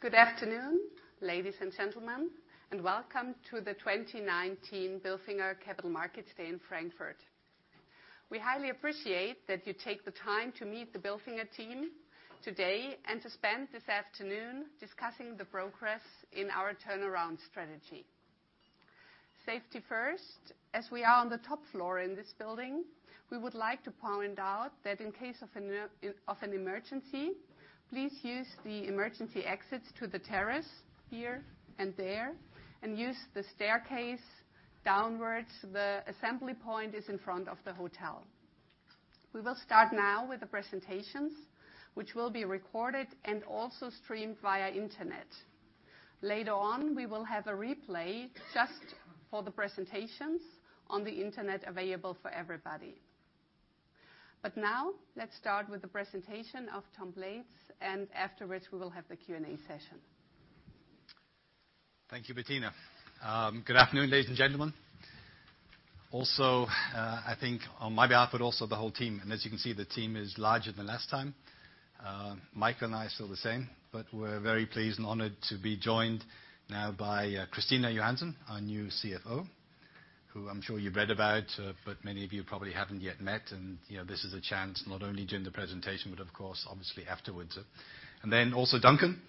Good afternoon, ladies and gentlemen, welcome to the 2019 Bilfinger Capital Markets Day in Frankfurt. We highly appreciate that you take the time to meet the Bilfinger team today and to spend this afternoon discussing the progress in our turnaround strategy. Safety first, as we are on the top floor in this building, we would like to point out that in case of an emergency, please use the emergency exits to the terrace here and there and use the staircase downwards. The assembly point is in front of the hotel. We will start now with the presentations, which will be recorded and also streamed via internet. Later on, we will have a replay just for the presentations on the internet available for everybody. Now, let's start with the presentation of Tom Blades, and afterwards we will have the Q&A session. Thank you, Bettina. Good afternoon, ladies and gentlemen. I think on my behalf, but also the whole team, and as you can see, the team is larger than last time. Mike and I are still the same, but we're very pleased and honored to be joined now by Christina Johansson, our new CFO, who I'm sure you've read about but many of you probably haven't yet met. This is a chance not only during the presentation but of course, obviously, afterwards. Also Duncan.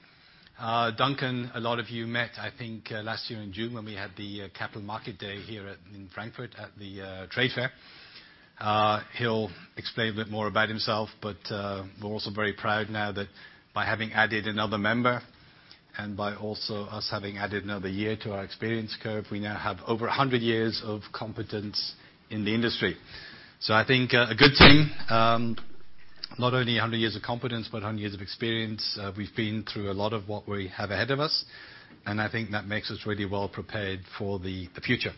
Duncan, a lot of you met, I think, last year in June when we had the Capital Market Day here in Frankfurt at the trade fair. He'll explain a bit more about himself, but we're also very proud now that by having added another member and by also us having added another year to our experience curve. We now have over 100 years of competence in the industry. I think a good team. Not only 100 years of competence but 100 years of experience. We've been through a lot of what we have ahead of us, and I think that makes us really well prepared for the future.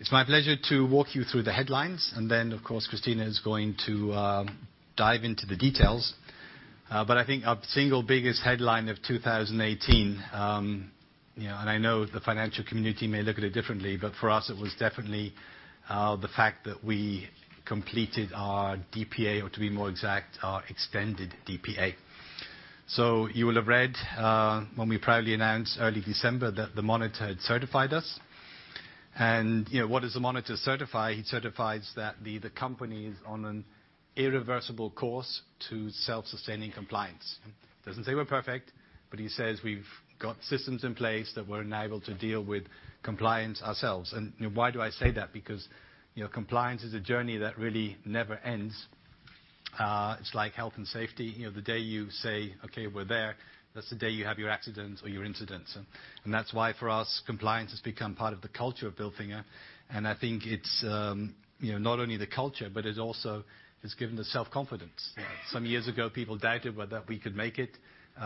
It's my pleasure to walk you through the headlines, and then, of course, Christina is going to dive into the details. I think our single biggest headline of 2018, and I know the financial community may look at it differently. For us, it was definitely the fact that we completed our DPA or, to be more exact, our extended DPA. You will have read when we proudly announced early December that the monitor had certified us. What does the monitor certify? He certifies that the company is on an irreversible course to self-sustaining compliance. Doesn't say we're perfect, but he says we've got systems in place that we're now able to deal with compliance ourselves. Why do I say that? Because compliance is a journey that really never ends. It's like health and safety. The day you say, "Okay, we're there," that's the day you have your accident or your incident. That's why for us, compliance has become part of the culture of Bilfinger. I think it's not only the culture, but it's also has given us self-confidence. Some years ago, people doubted whether we could make it.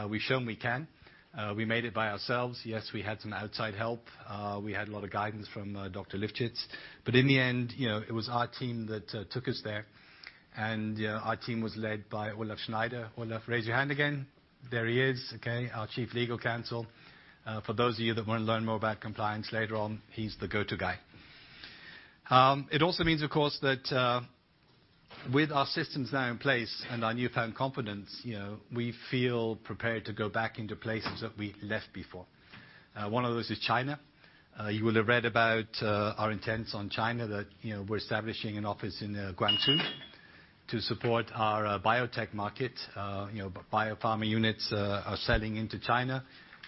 We've shown we can. We made it by ourselves. Yes, we had some outside help. We had a lot of guidance from Dr. Lichtenfeld. In the end, it was our team that took us there. Our team was led by Olaf Schneider. Olaf, raise your hand again. There he is, okay, our Chief Legal Counsel. For those of you that want to learn more about compliance later on, he's the go-to guy. It also means, of course, that with our systems now in place and our newfound confidence, we feel prepared to go back into places that we left before. One of those is China. You will have read about our intents on China, that we're establishing an office in Guangzhou to support our biotech market. Biopharma units are selling into China,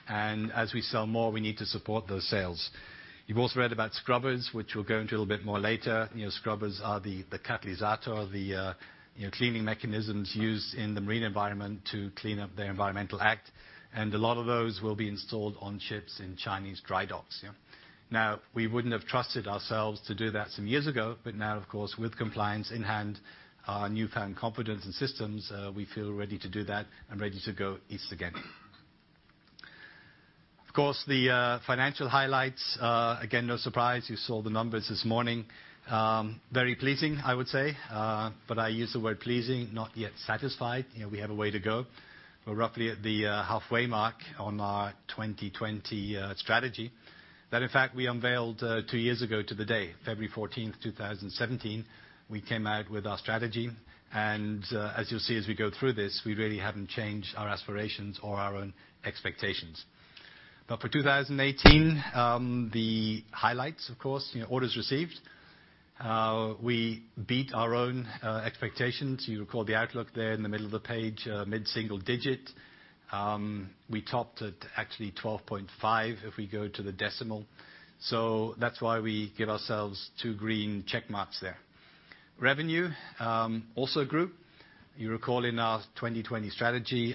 and as we sell more, we need to support those sales. You've also read about scrubbers, which we'll go into a little bit more later. Scrubbers are the catalyst, the cleaning mechanisms used in the marine environment to clean up their environmental act. A lot of those will be installed on ships in Chinese dry docks. We wouldn't have trusted ourselves to do that some years ago, but now, of course, with compliance in hand, our newfound confidence and systems, we feel ready to do that and ready to go east again. The financial highlights, again, no surprise. You saw the numbers this morning. Very pleasing, I would say. I use the word pleasing, not yet satisfied. We have a way to go. We're roughly at the halfway mark on our Strategy 2020 that, in fact, we unveiled two years ago to the day, February 14th, 2017. We came out with our strategy, as you'll see as we go through this, we really haven't changed our aspirations or our own expectations. For 2018, the highlights, of course, orders received. We beat our own expectations. You recall the outlook there in the middle of the page, mid-single digit. We topped at actually 12.5 if we go to the decimal. That's why we give ourselves two green check marks there. Revenue, also grew. You recall in our Strategy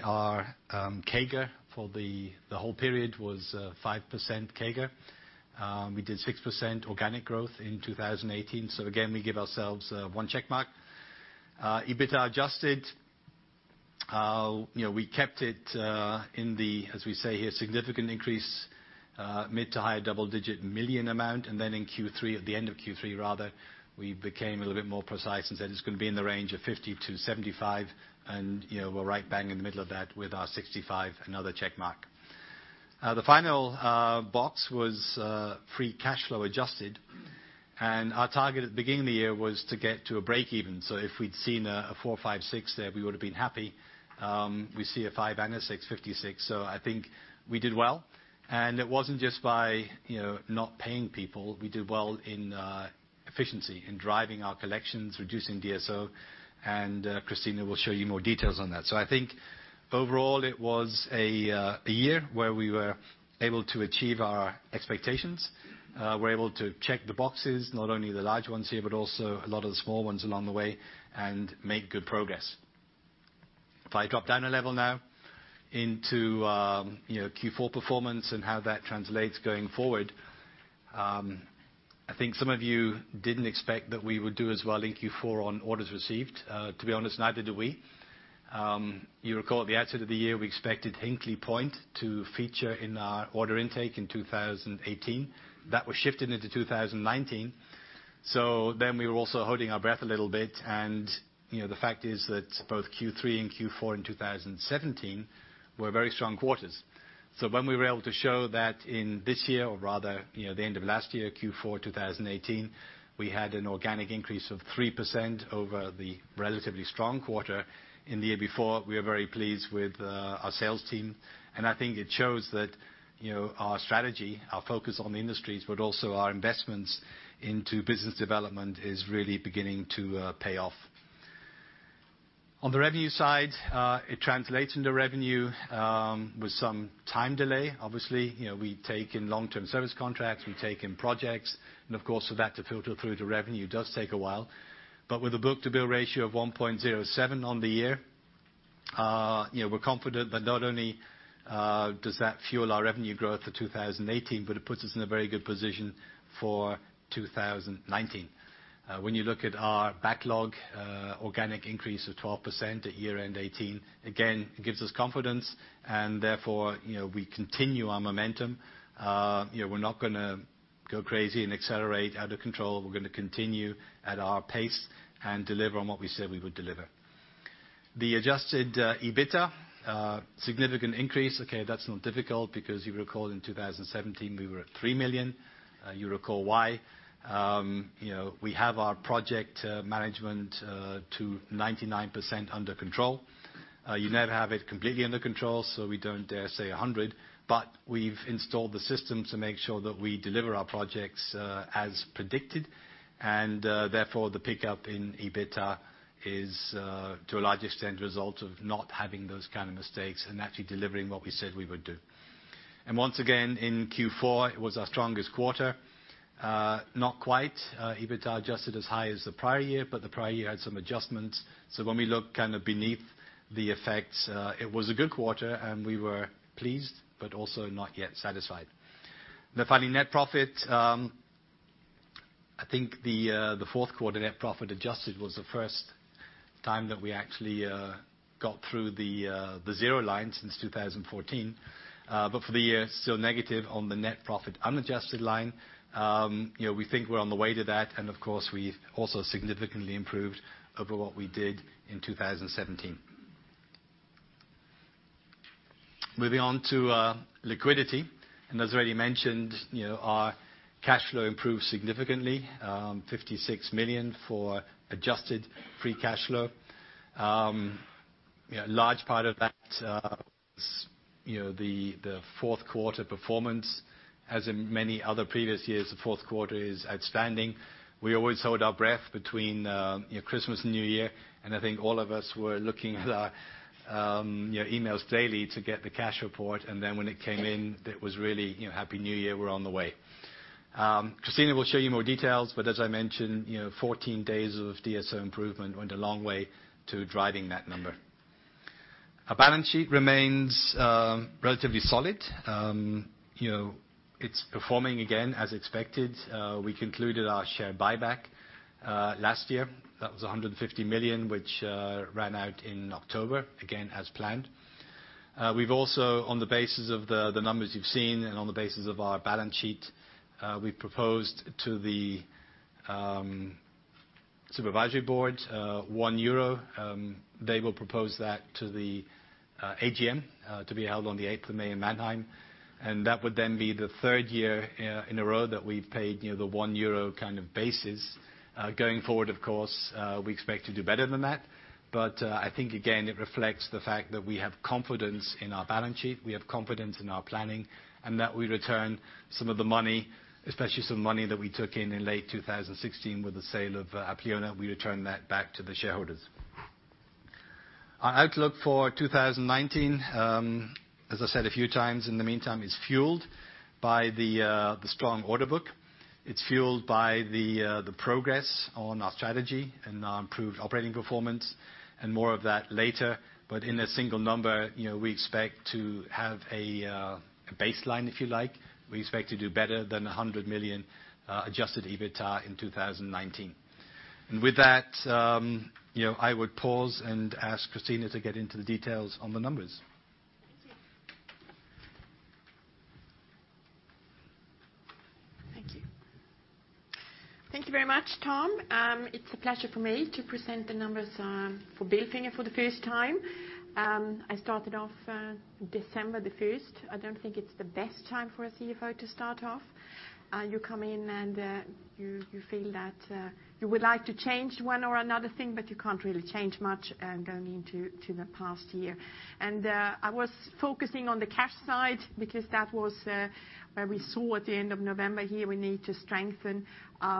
2020, our CAGR for the whole period was 5% CAGR. We did 6% organic growth in 2018. Again, we give ourselves one check mark. EBITDA adjusted, we kept it in the, as we say here, significant increase, mid to high double-digit million amount. In Q3, at the end of Q3 rather, we became a little bit more precise and said it's going to be in the range of 50 million-75 million, and we're right bang in the middle of that with our 65 million, another check mark. The final box was free cash flow adjusted. Our target at the beginning of the year was to get to a break-even. If we'd seen a 4 million, 5 million, 6 million there, we would've been happy. We see a 5 million and a 656 million, I think we did well. It wasn't just by not paying people. We did well in efficiency, in driving our collections, reducing DSO, and Christina will show you more details on that. I think overall it was a year where we were able to achieve our expectations. We were able to check the boxes, not only the large ones here, but also a lot of the small ones along the way and make good progress. If I drop down a level now into Q4 performance and how that translates going forward. I think some of you didn't expect that we would do as well in Q4 on orders received. To be honest, neither did we. You recall at the outset of the year, we expected Hinkley Point to feature in our order intake in 2018. That was shifted into 2019. We were also holding our breath a little bit. The fact is that both Q3 and Q4 in 2017 were very strong quarters. When we were able to show that in this year, or rather, the end of last year, Q4 2018, we had an organic increase of 3% over the relatively strong quarter in the year before. We are very pleased with our sales team. I think it shows that our strategy, our focus on the industries, but also our investments into business development, is really beginning to pay off. On the revenue side, it translates into revenue with some time delay, obviously. We take in long-term service contracts, we take in projects. Of course, for that to filter through to revenue does take a while. With a book-to-bill ratio of 1.07 on the year, we're confident that not only does that fuel our revenue growth for 2018, but it puts us in a very good position for 2019. When you look at our backlog, organic increase of 12% at year-end 2018, again, gives us confidence. Therefore, we continue our momentum. We're not going to go crazy and accelerate out of control. We're going to continue at our pace and deliver on what we said we would deliver. The adjusted EBITDA, significant increase. Okay, that's not difficult because you recall in 2017 we were at 3 million. You recall why. We have our project management to 99% under control. You never have it completely under control. We don't dare say 100, but we've installed the system to make sure that we deliver our projects as predicted. Therefore, the pickup in EBITDA is, to a large extent, a result of not having those kind of mistakes and actually delivering what we said we would do. Once again, in Q4, it was our strongest quarter. Not quite EBITDA adjusted as high as the prior year. The prior year had some adjustments. When we look kind of beneath the effects, it was a good quarter. We were pleased, but also not yet satisfied. The final net profit, I think the fourth quarter net profit adjusted was the first time that we actually got through the zero line since 2014. For the year, still negative on the net profit unadjusted line. We think we're on the way to that. Of course, we've also significantly improved over what we did in 2017. Moving on to liquidity. As already mentioned, our cash flow improved significantly, 56 million for adjusted free cash flow. A large part of that was the fourth quarter performance. As in many other previous years, the fourth quarter is outstanding. We always hold our breath between Christmas and New Year. I think all of us were looking at our emails daily to get the cash report. When it came in, it was really happy New Year, we're on the way. Christina will show you more details. As I mentioned, 14 days of DSO improvement went a long way to driving that number. Our balance sheet remains relatively solid. It's performing again as expected. We concluded our share buyback last year. That was 150 million, which ran out in October, again as planned. We've also, on the basis of the numbers you've seen and on the basis of our balance sheet, we've proposed to the supervisory board 1 euro. They will propose that to the AGM to be held on the 8th of May in Mannheim, and that would then be the third year in a row that we've paid the 1 euro kind of basis. Going forward, of course, we expect to do better than that. I think, again, it reflects the fact that we have confidence in our balance sheet, we have confidence in our planning, and that we return some of the money, especially some money that we took in in late 2016 with the sale of Apleona, we return that back to the shareholders. Our outlook for 2019, as I said a few times in the meantime, is fueled by the strong order book. It's fueled by the progress on our strategy and our improved operating performance and more of that later. In a single number, we expect to have a baseline, if you like. We expect to do better than 100 million adjusted EBITDA in 2019. With that, I would pause and ask Christina to get into the details on the numbers. Thank you. Thank you. Thank you very much, Tom. It's a pleasure for me to present the numbers for Bilfinger for the first time. I started off December the 1st. I don't think it's the best time for a CFO to start off. You come in and you feel that you would like to change one or another thing, but you can't really change much going into the past year. I was focusing on the cash side because that was where we saw at the end of November here we need to strengthen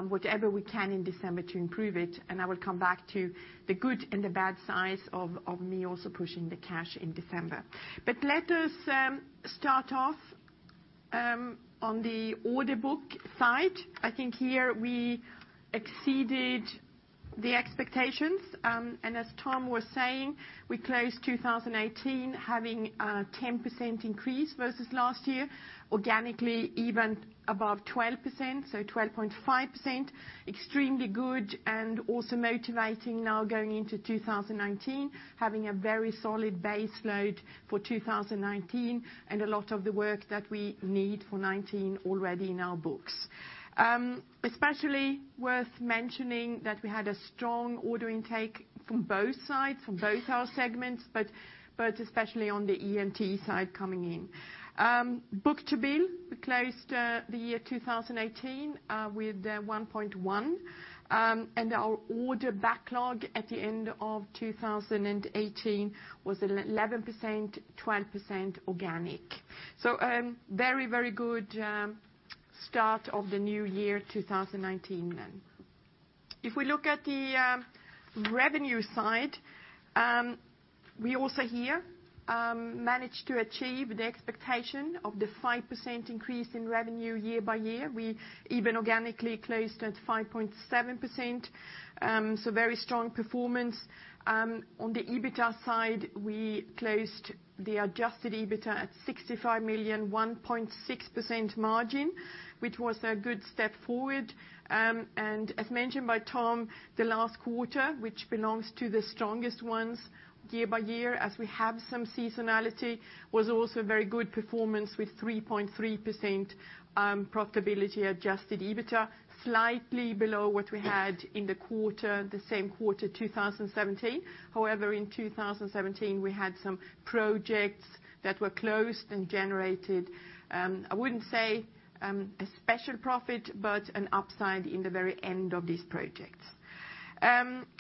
whatever we can in December to improve it. I will come back to the good and the bad sides of me also pushing the cash in December. Let us start off on the order book side. I think here we exceeded the expectations. As Tom was saying, we closed 2018 having a 10% increase versus last year, organically even above 12%, so 12.5%, extremely good and also motivating now going into 2019, having a very solid base load for 2019 and a lot of the work that we need for 2019 already in our books. Especially worth mentioning that we had a strong order intake from both sides, from both our segments, but especially on the E&T side coming in. Book-to-bill, we closed the year 2018 with 1.1, our order backlog at the end of 2018 was 11%, 12% organic. A very good start of the new year 2019 then. If we look at the revenue side, we also here managed to achieve the expectation of the 5% increase in revenue year-by-year. We even organically closed at 5.7%, so very strong performance. On the EBITDA side, we closed the adjusted EBITDA at 65 million, 1.6% margin, which was a good step forward. As mentioned by Tom, the last quarter, which belongs to the strongest ones year by year as we have some seasonality, was also very good performance with 3.3% profitability adjusted EBITDA, slightly below what we had in the quarter, the same quarter 2017. However, in 2017, we had some projects that were closed and generated, I wouldn't say a special profit, but an upside in the very end of these projects.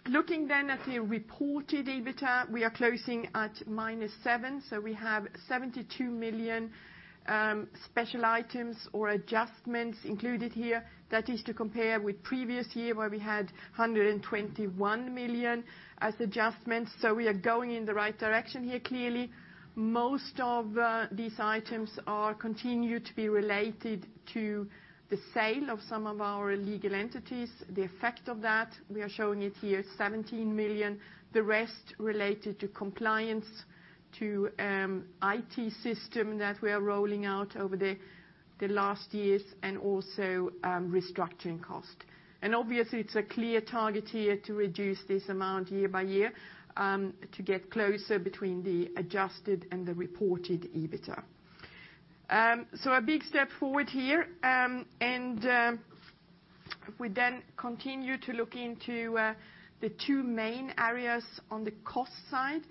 Looking at the reported EBITDA, we are closing at minus seven, so we have 72 million special items or adjustments included here. That is to compare with previous year where we had 121 million as adjustments. We are going in the right direction here clearly. Most of these items are continued to be related to the sale of some of our legal entities. The effect of that, we are showing it here, 17 million. The rest related to compliance to IT system that we are rolling out over the last years and also restructuring cost. Obviously, it's a clear target here to reduce this amount year by year to get closer between the adjusted and the reported EBITDA. A big step forward here. We continue to look into the two main areas on the cost side.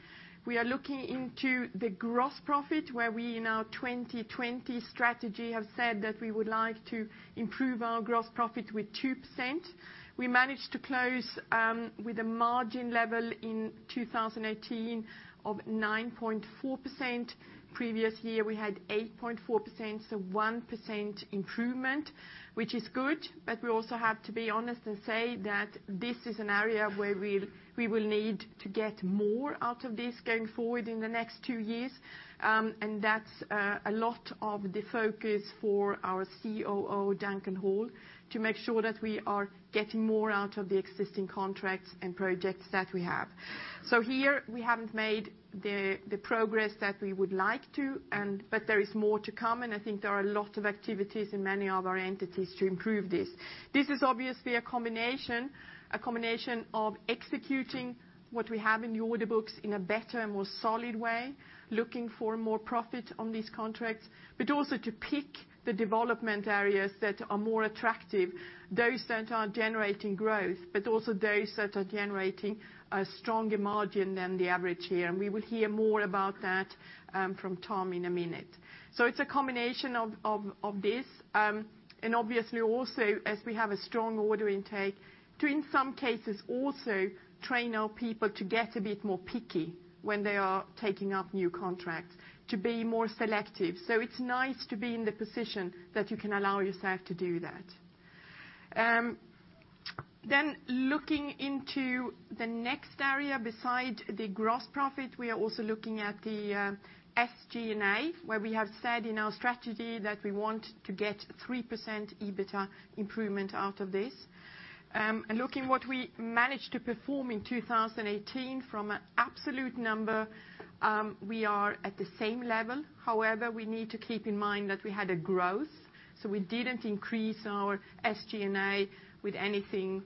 We are looking into the gross profit, where we, in our Strategy 2020, have said that we would like to improve our gross profit with 2%. We managed to close with a margin level in 2018 of 9.4%. Previous year, we had 8.4%. 1% improvement, which is good. We also have to be honest and say that this is an area where we will need to get more out of this going forward in the next two years. That's a lot of the focus for our COO, Duncan Hall, to make sure that we are getting more out of the existing contracts and projects that we have. Here, we haven't made the progress that we would like to, but there is more to come, and I think there are a lot of activities in many of our entities to improve this. This is obviously a combination of executing what we have in the order books in a better and more solid way, looking for more profit on these contracts, but also to pick the development areas that are more attractive. Those that are generating growth, but also those that are generating a stronger margin than the average here. We will hear more about that from Tom in a minute. It's a combination of this, and obviously also, as we have a strong order intake, to, in some cases, also train our people to get a bit more picky when they are taking up new contracts, to be more selective. It's nice to be in the position that you can allow yourself to do that. Looking into the next area beside the gross profit, we are also looking at the SG&A, where we have said in our strategy that we want to get 3% EBITDA improvement out of this. Looking what we managed to perform in 2018, from an absolute number, we are at the same level. We need to keep in mind that we had a growth, we did not increase our SG&A with anything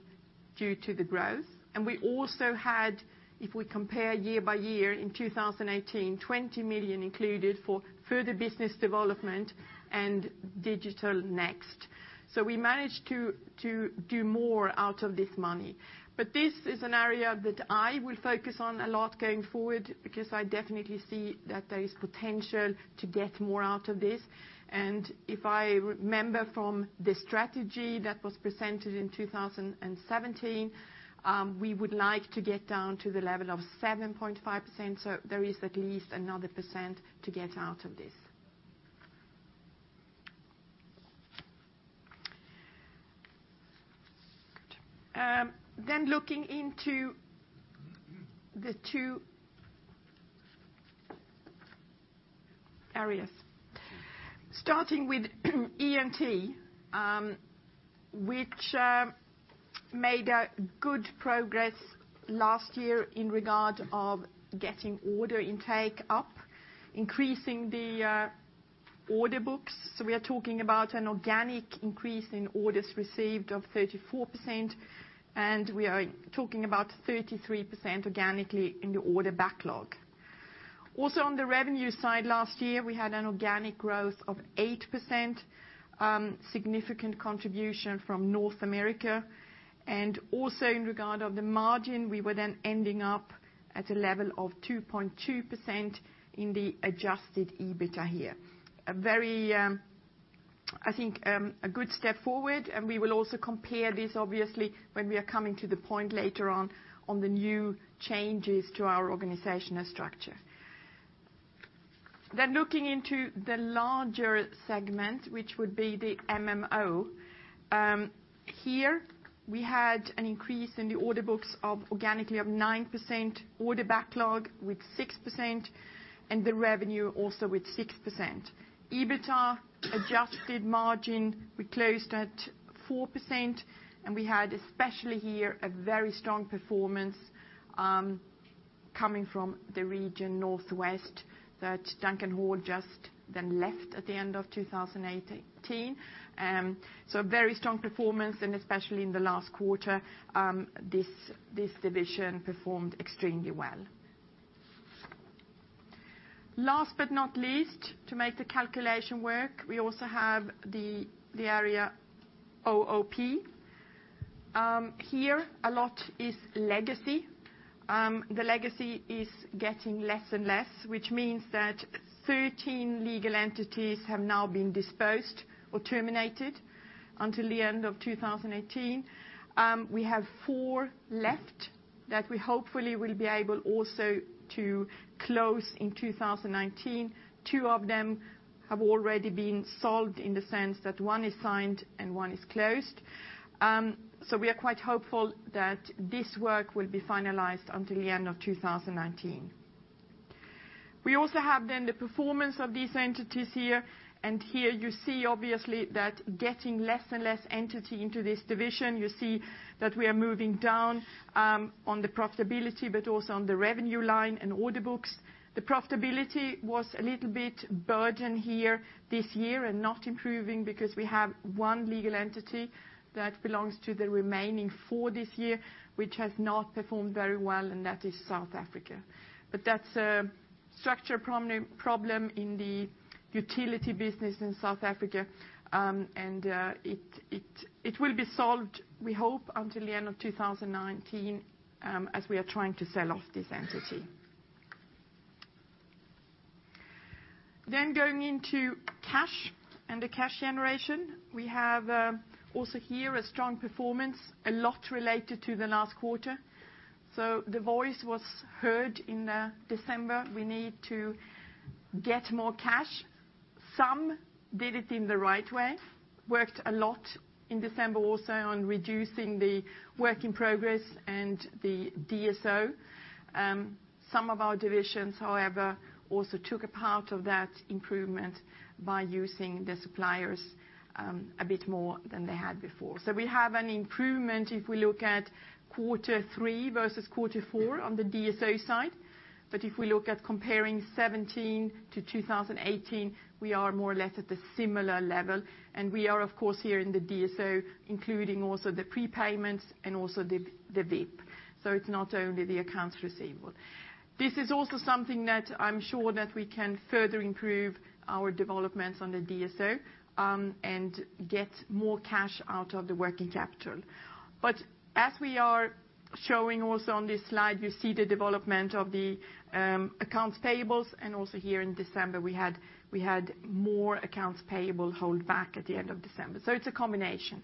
due to the growth. We also had, if we compare year by year, in 2018, 20 million included for further business development and Bilfinger Digital Next. We managed to do more out of this money. This is an area that I will focus on a lot going forward, because I definitely see that there is potential to get more out of this. If I remember from the strategy that was presented in 2017, we would like to get down to the level of 7.5%, there is at least another percent to get out of this. Looking into the two areas. Starting with E&T, which made a good progress last year in regard of getting order intake up, increasing the order books. We are talking about an organic increase in orders received of 34%, and we are talking about 33% organically in the order backlog. Also, on the revenue side last year, we had an organic growth of 8%, significant contribution from North America. Also in regard of the margin, we were then ending up at a level of 2.2% in the adjusted EBITDA here. I think, a good step forward, and we will also compare this, obviously, when we are coming to the point later on the new changes to our organizational structure. Looking into the larger segment, which would be the MMO. Here, we had an increase in the order books of organically of 9%, order backlog with 6%, and the revenue also with 6%. EBITDA adjusted margin, we closed at 4%, and we had, especially here, a very strong performance coming from the region northwest, that Duncan Hall just left at the end of 2018. Very strong performance, and especially in the last quarter, this division performed extremely well. Last but not least, to make the calculation work, we also have the area OOP. Here, a lot is legacy. The legacy is getting less and less, which means that 13 legal entities have now been disposed or terminated until the end of 2018. We have four left that we hopefully will be able also to close in 2019. Two of them have already been solved in the sense that one is signed and one is closed. We are quite hopeful that this work will be finalized until the end of 2019. We also have the performance of these entities here. Here you see, obviously, that getting less and less entity into this division. You see that we are moving down on the profitability, but also on the revenue line and order books. The profitability was a little bit burden here this year and not improving because we have one legal entity that belongs to the remaining four this year, which has not performed very well, and that is South Africa. That is a structural problem in the utility business in South Africa, and it will be solved, we hope, until the end of 2019, as we are trying to sell off this entity. Going into cash and the cash generation. We have also here a strong performance, a lot related to the last quarter. The voice was heard in December. We need to get more cash. Some did it in the right way, worked a lot in December also on reducing the Work in Progress and the DSO. Some of our divisions, however, also took a part of that improvement by using the suppliers a bit more than they had before. We have an improvement if we look at quarter three versus quarter four on the DSO side. If we look at comparing 2017 to 2018, we are more or less at the similar level, and we are, of course, here in the DSO, including also the prepayments and also the WIP. It is not only the accounts receivable. This is also something that I am sure that we can further improve our developments on the DSO, and get more cash out of the working capital. As we are showing also on this slide, you see the development of the accounts payables and also here in December, we had more accounts payable hold back at the end of December. It is a combination.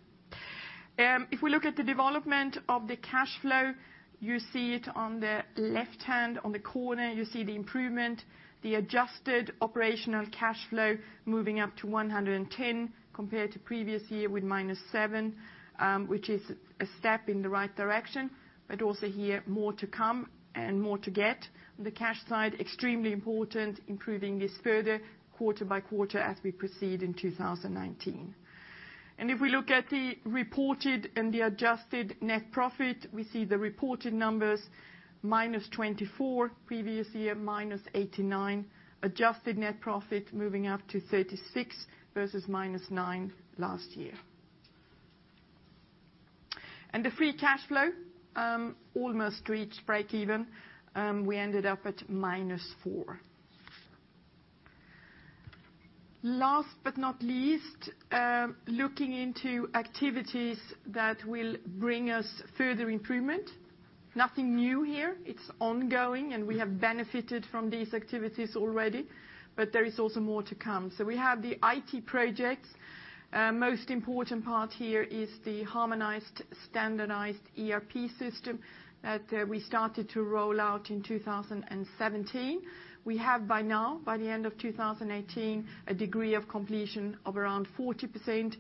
If we look at the development of the cash flow, you see it on the left hand on the corner, you see the improvement, the adjusted operational cash flow moving up to 110 compared to previous year with -7, which is a step in the right direction, but also here, more to come and more to get. The cash side, extremely important, improving this further quarter by quarter as we proceed in 2019. If we look at the reported and the adjusted net profit, we see the reported numbers -24, previous year, -89. Adjusted net profit moving up to 36 versus -9 last year. The free cash flow, almost to reach break even. We ended up at -4. Last but not least, looking into activities that will bring us further improvement. Nothing new here. It is ongoing, and we have benefited from these activities already. There is also more to come. We have the IT projects. Most important part here is the harmonized, standardized ERP system that we started to roll out in 2017. We have by now, by the end of 2018, a degree of completion of around 40%,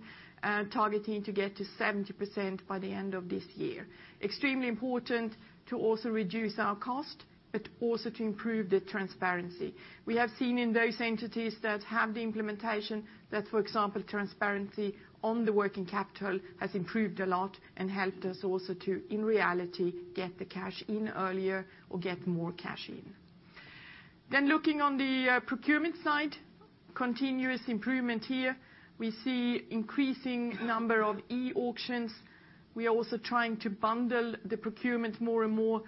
targeting to get to 70% by the end of this year. Extremely important to also reduce our cost, but also to improve the transparency. We have seen in those entities that have the implementation that, for example, transparency on the working capital has improved a lot and helped us also to, in reality, get the cash in earlier or get more cash in. Looking on the procurement side, continuous improvement here. We see increasing number of e-auctions. We are also trying to bundle the procurement more and more.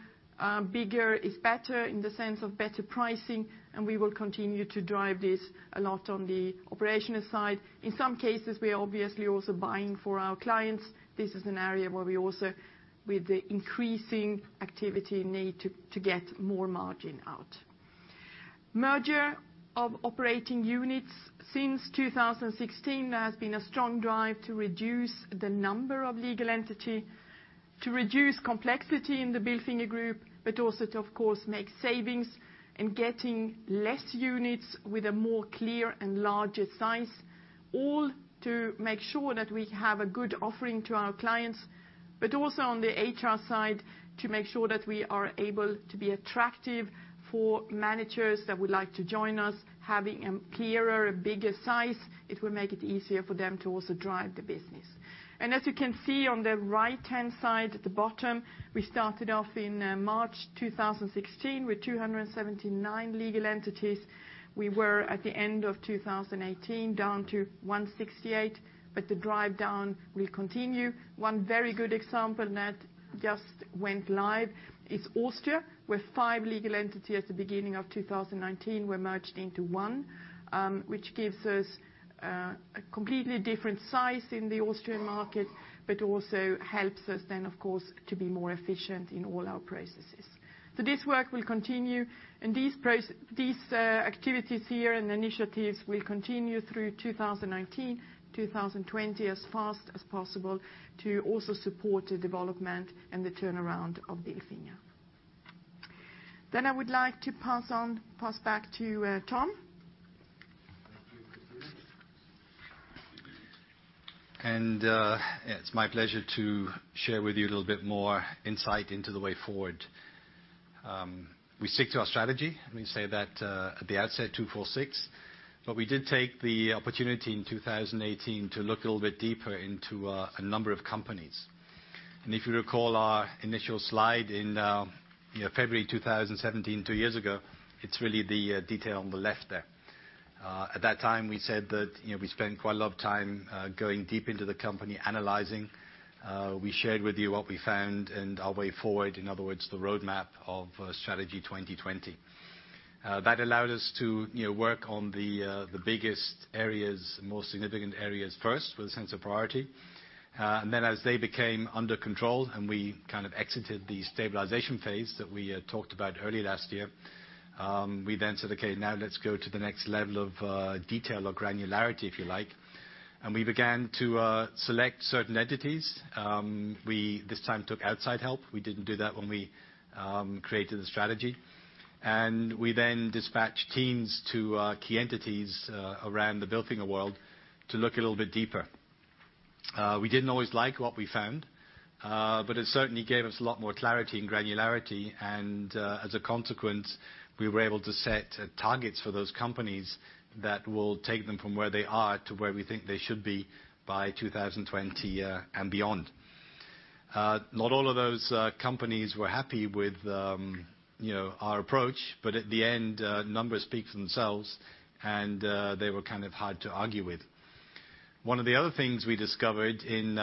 Bigger is better in the sense of better pricing, we will continue to drive this a lot on the operational side. In some cases, we are obviously also buying for our clients. This is an area where we also, with the increasing activity, need to get more margin out. Merger of operating units. Since 2016, there has been a strong drive to reduce the number of legal entities to reduce complexity in the Bilfinger Group, but also to, of course, make savings in getting less units with a more clear and larger size, all to make sure that we have a good offering to our clients, but also on the HR side, to make sure that we are able to be attractive for managers that would like to join us. Having a clearer, bigger size, it will make it easier for them to also drive the business. As you can see on the right-hand side at the bottom, we started off in March 2016 with 279 legal entities. We were, at the end of 2018, down to 168, but the drive down will continue. One very good example that just went live is Austria, where five legal entities at the beginning of 2019 were merged into one, which gives us a completely different size in the Austrian market, but also helps us then, of course, to be more efficient in all our processes. This work will continue, and these activities here and initiatives will continue through 2019, 2020 as fast as possible to also support the development and the turnaround of Bilfinger. I would like to pass back to Tom. Thank you, Christina. It's my pleasure to share with you a little bit more insight into the way forward. We stick to our strategy, we say that at the outset, two, four, six. We did take the opportunity in 2018 to look a little bit deeper into a number of companies. If you recall our initial slide in February 2017, two years ago, it's really the detail on the left there. At that time, we said that we spent quite a lot of time going deep into the company, analyzing. We shared with you what we found and our way forward, in other words, the roadmap of Strategy 2020. That allowed us to work on the biggest areas, more significant areas first, with a sense of priority. As they became under control, and we exited the stabilization phase that we talked about early last year, we then said, "Okay, now let's go to the next level of detail or granularity," if you like. We began to select certain entities. We, this time, took outside help. We didn't do that when we created the strategy. We then dispatched teams to key entities around the Bilfinger world to look a little bit deeper. We didn't always like what we found, but it certainly gave us a lot more clarity and granularity, and, as a consequence, we were able to set targets for those companies that will take them from where they are to where we think they should be by 2020 and beyond. Not all of those companies were happy with our approach. Numbers speak for themselves, and they were hard to argue with. One of the other things we discovered in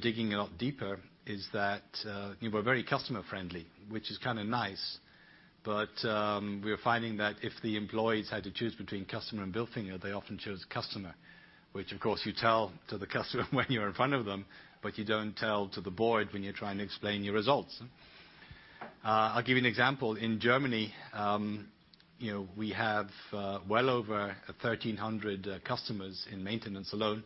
digging a lot deeper is that we're very customer friendly, which is nice. We're finding that if the employees had to choose between customer and Bilfinger, they often chose customer. Which, of course, you tell to the customer when you're in front of them. You don't tell to the board when you're trying to explain your results. I'll give you an example. In Germany, we have well over 1,300 customers in maintenance alone.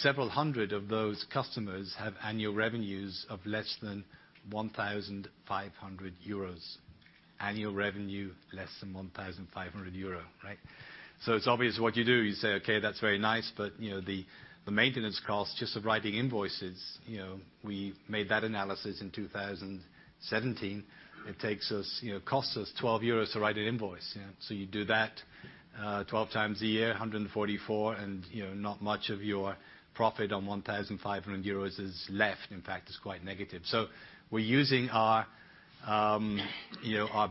Several hundred of those customers have annual revenues of less than 1,500 euros. Annual revenue less than 1,500 euro. It's obvious what you do. You say, "Okay, that's very nice." The maintenance cost just of writing invoices, we made that analysis in 2017. It costs us 12 euros to write an invoice. You do that 12x a year, 144. Not much of your profit on 1,500 euros is left. In fact, it's quite negative. We're using our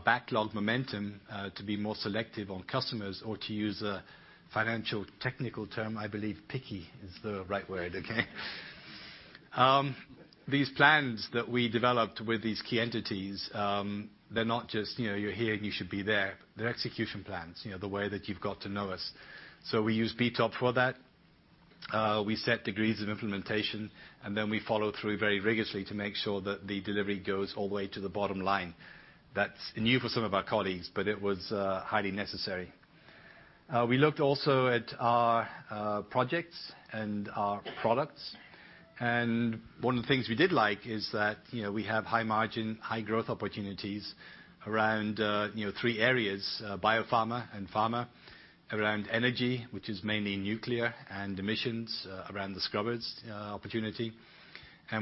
backlog momentum to be more selective on customers, or to use a financial technical term, I believe picky is the right word. These plans that we developed with these key entities, they're not just, you're here. You should be there. They're execution plans, the way that you've got to know us. We use BTOP for that. We set degrees of implementation. We follow through very rigorously to make sure that the delivery goes all the way to the bottom line. That's new for some of our colleagues. It was highly necessary. We looked also at our projects and our products. One of the things we did like is that we have high margin, high growth opportunities around three areas, biopharma and pharma, around energy, which is mainly nuclear and emissions around the scrubbers opportunity.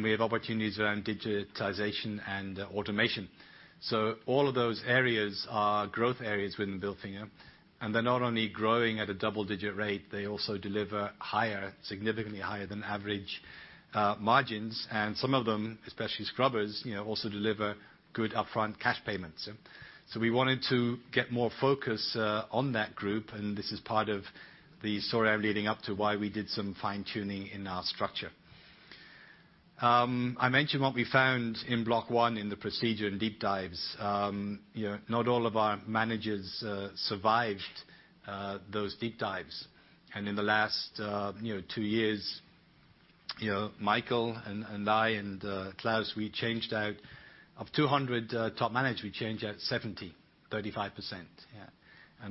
We have opportunities around digitization and automation. All of those areas are growth areas within Bilfinger. They're not only growing at a double-digit rate, they also deliver higher, significantly higher than average margins. Some of them, especially scrubbers, also deliver good upfront cash payments. We wanted to get more focus on that group. This is part of the story leading up to why we did some fine-tuning in our structure. I mentioned what we found in block one in the procedure in deep dives. Not all of our managers survived those deep dives. In the last two years, Michael and I and Klaus, of 200 top managers, we changed out 70, 35%.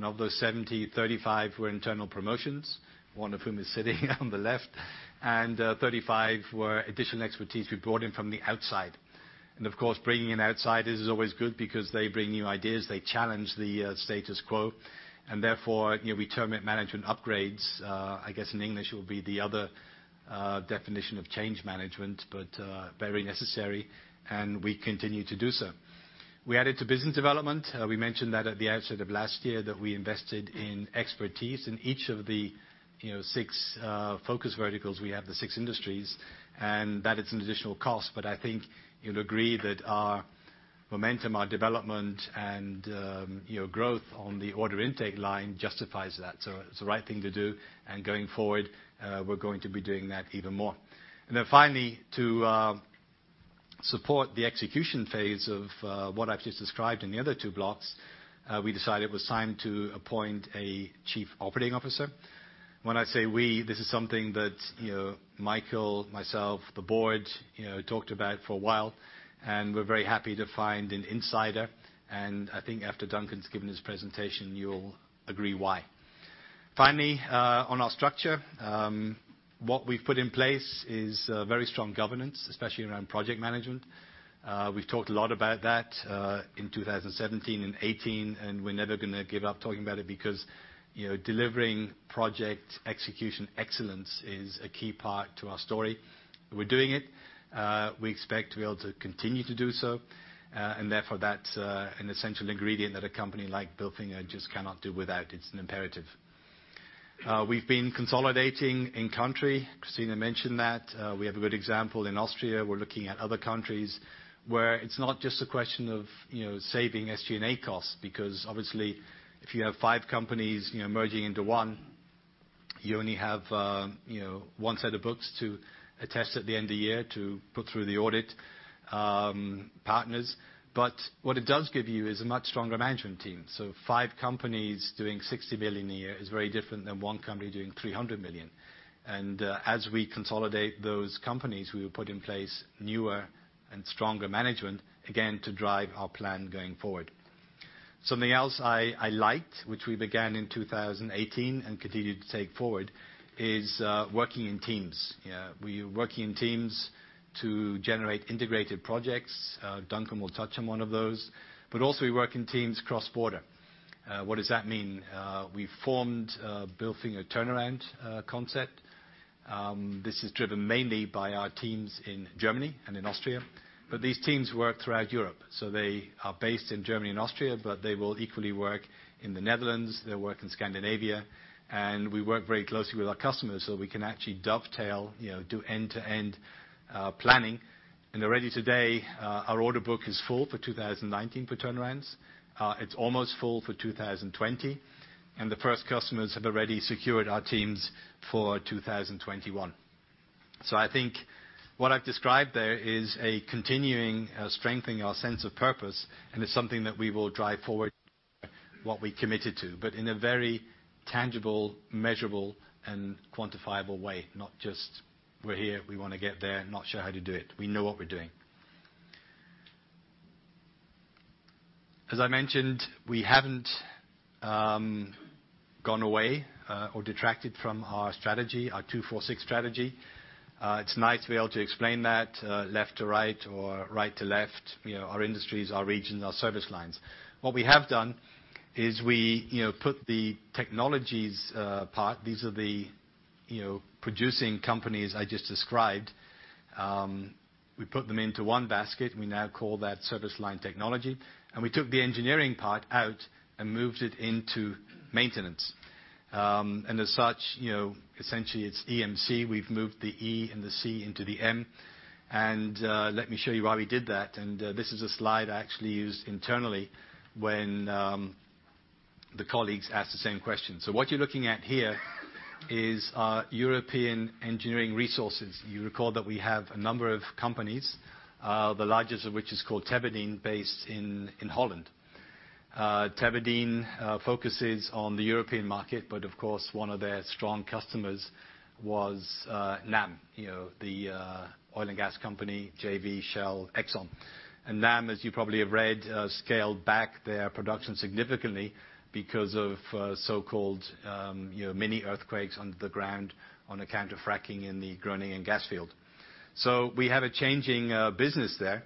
Of those 70, 35 were internal promotions, one of whom is sitting on the left. 35 were additional expertise we brought in from the outside. Of course, bringing in outsiders is always good because they bring new ideas. They challenge the status quo. We term it management upgrades, I guess in English it would be the other definition of change management. Very necessary. We continue to do so. We added to business development. We mentioned that at the outset of last year that we invested in expertise in each of the six focus verticals we have, the six industries. It's an additional cost. I think you'll agree that our momentum, our development, and growth on the order intake line justifies that. It's the right thing to do, and going forward, we're going to be doing that even more. Finally, to support the execution phase of what I've just described in the other two blocks, we decided it was time to appoint a Chief Operating Officer. When I say we, this is something that Michael, myself, the board talked about for a while, and we're very happy to find an insider. I think after Duncan's given his presentation, you'll agree why. Finally, on our structure, what we've put in place is very strong governance, especially around project management. We've talked a lot about that in 2017 and 2018, we're never going to give up talking about it because delivering project execution excellence is a key part to our story. We're doing it. We expect to be able to continue to do so, therefore, that's an essential ingredient that a company like Bilfinger just cannot do without. It's an imperative. We've been consolidating in country. Christina mentioned that. We have a good example in Austria. We're looking at other countries where it's not just a question of saving SG&A costs, because obviously if you have five companies merging into one, you only have one set of books to attest at the end of the year to put through the audit partners. What it does give you is a much stronger management team. Five companies doing 60 million a year is very different than one company doing 300 million. As we consolidate those companies, we will put in place newer and stronger management, again, to drive our plan going forward. Something else I liked, which we began in 2018 and continued to take forward, is working in teams. We are working in teams to generate integrated projects. Duncan will touch on one of those. Also, we work in teams cross-border. What does that mean? We formed a Bilfinger turnaround concept. This is driven mainly by our teams in Germany and in Austria. These teams work throughout Europe, so they are based in Germany and Austria, but they will equally work in the Netherlands, they work in Scandinavia, we work very closely with our customers so we can actually dovetail, do end-to-end planning. Already today, our order book is full for 2019 for turnarounds. It's almost full for 2020. The first customers have already secured our teams for 2021. I think what I've described there is a continuing strengthening our sense of purpose, it's something that we will drive forward what we committed to, but in a very tangible, measurable, and quantifiable way. Not just, we're here, we want to get there, not sure how to do it. We know what we're doing. As I mentioned, we haven't gone away or detracted from our strategy, our 2-4-6 strategy. It's nice to be able to explain that left to right or right to left, our industries, our regions, our service lines. What we have done is we put the technologies part, these are the producing companies I just described. We put them into one basket, we now call that service line technology. We took the engineering part out and moved it into maintenance. As such, essentially it is EMC. We have moved the E and the C into the M. Let me show you why we did that. This is a slide I actually used internally when the colleagues asked the same question. What you are looking at here is our European engineering resources. You recall that we have a number of companies, the largest of which is called Tebodin, based in Holland. Tebodin focuses on the European market, but of course, one of their strong customers was NAM, the oil and gas company, JV, Shell, Exxon. NAM, as you probably have read, scaled back their production significantly because of so-called mini earthquakes under the ground on account of fracking in the Groningen gas field. We have a changing business there.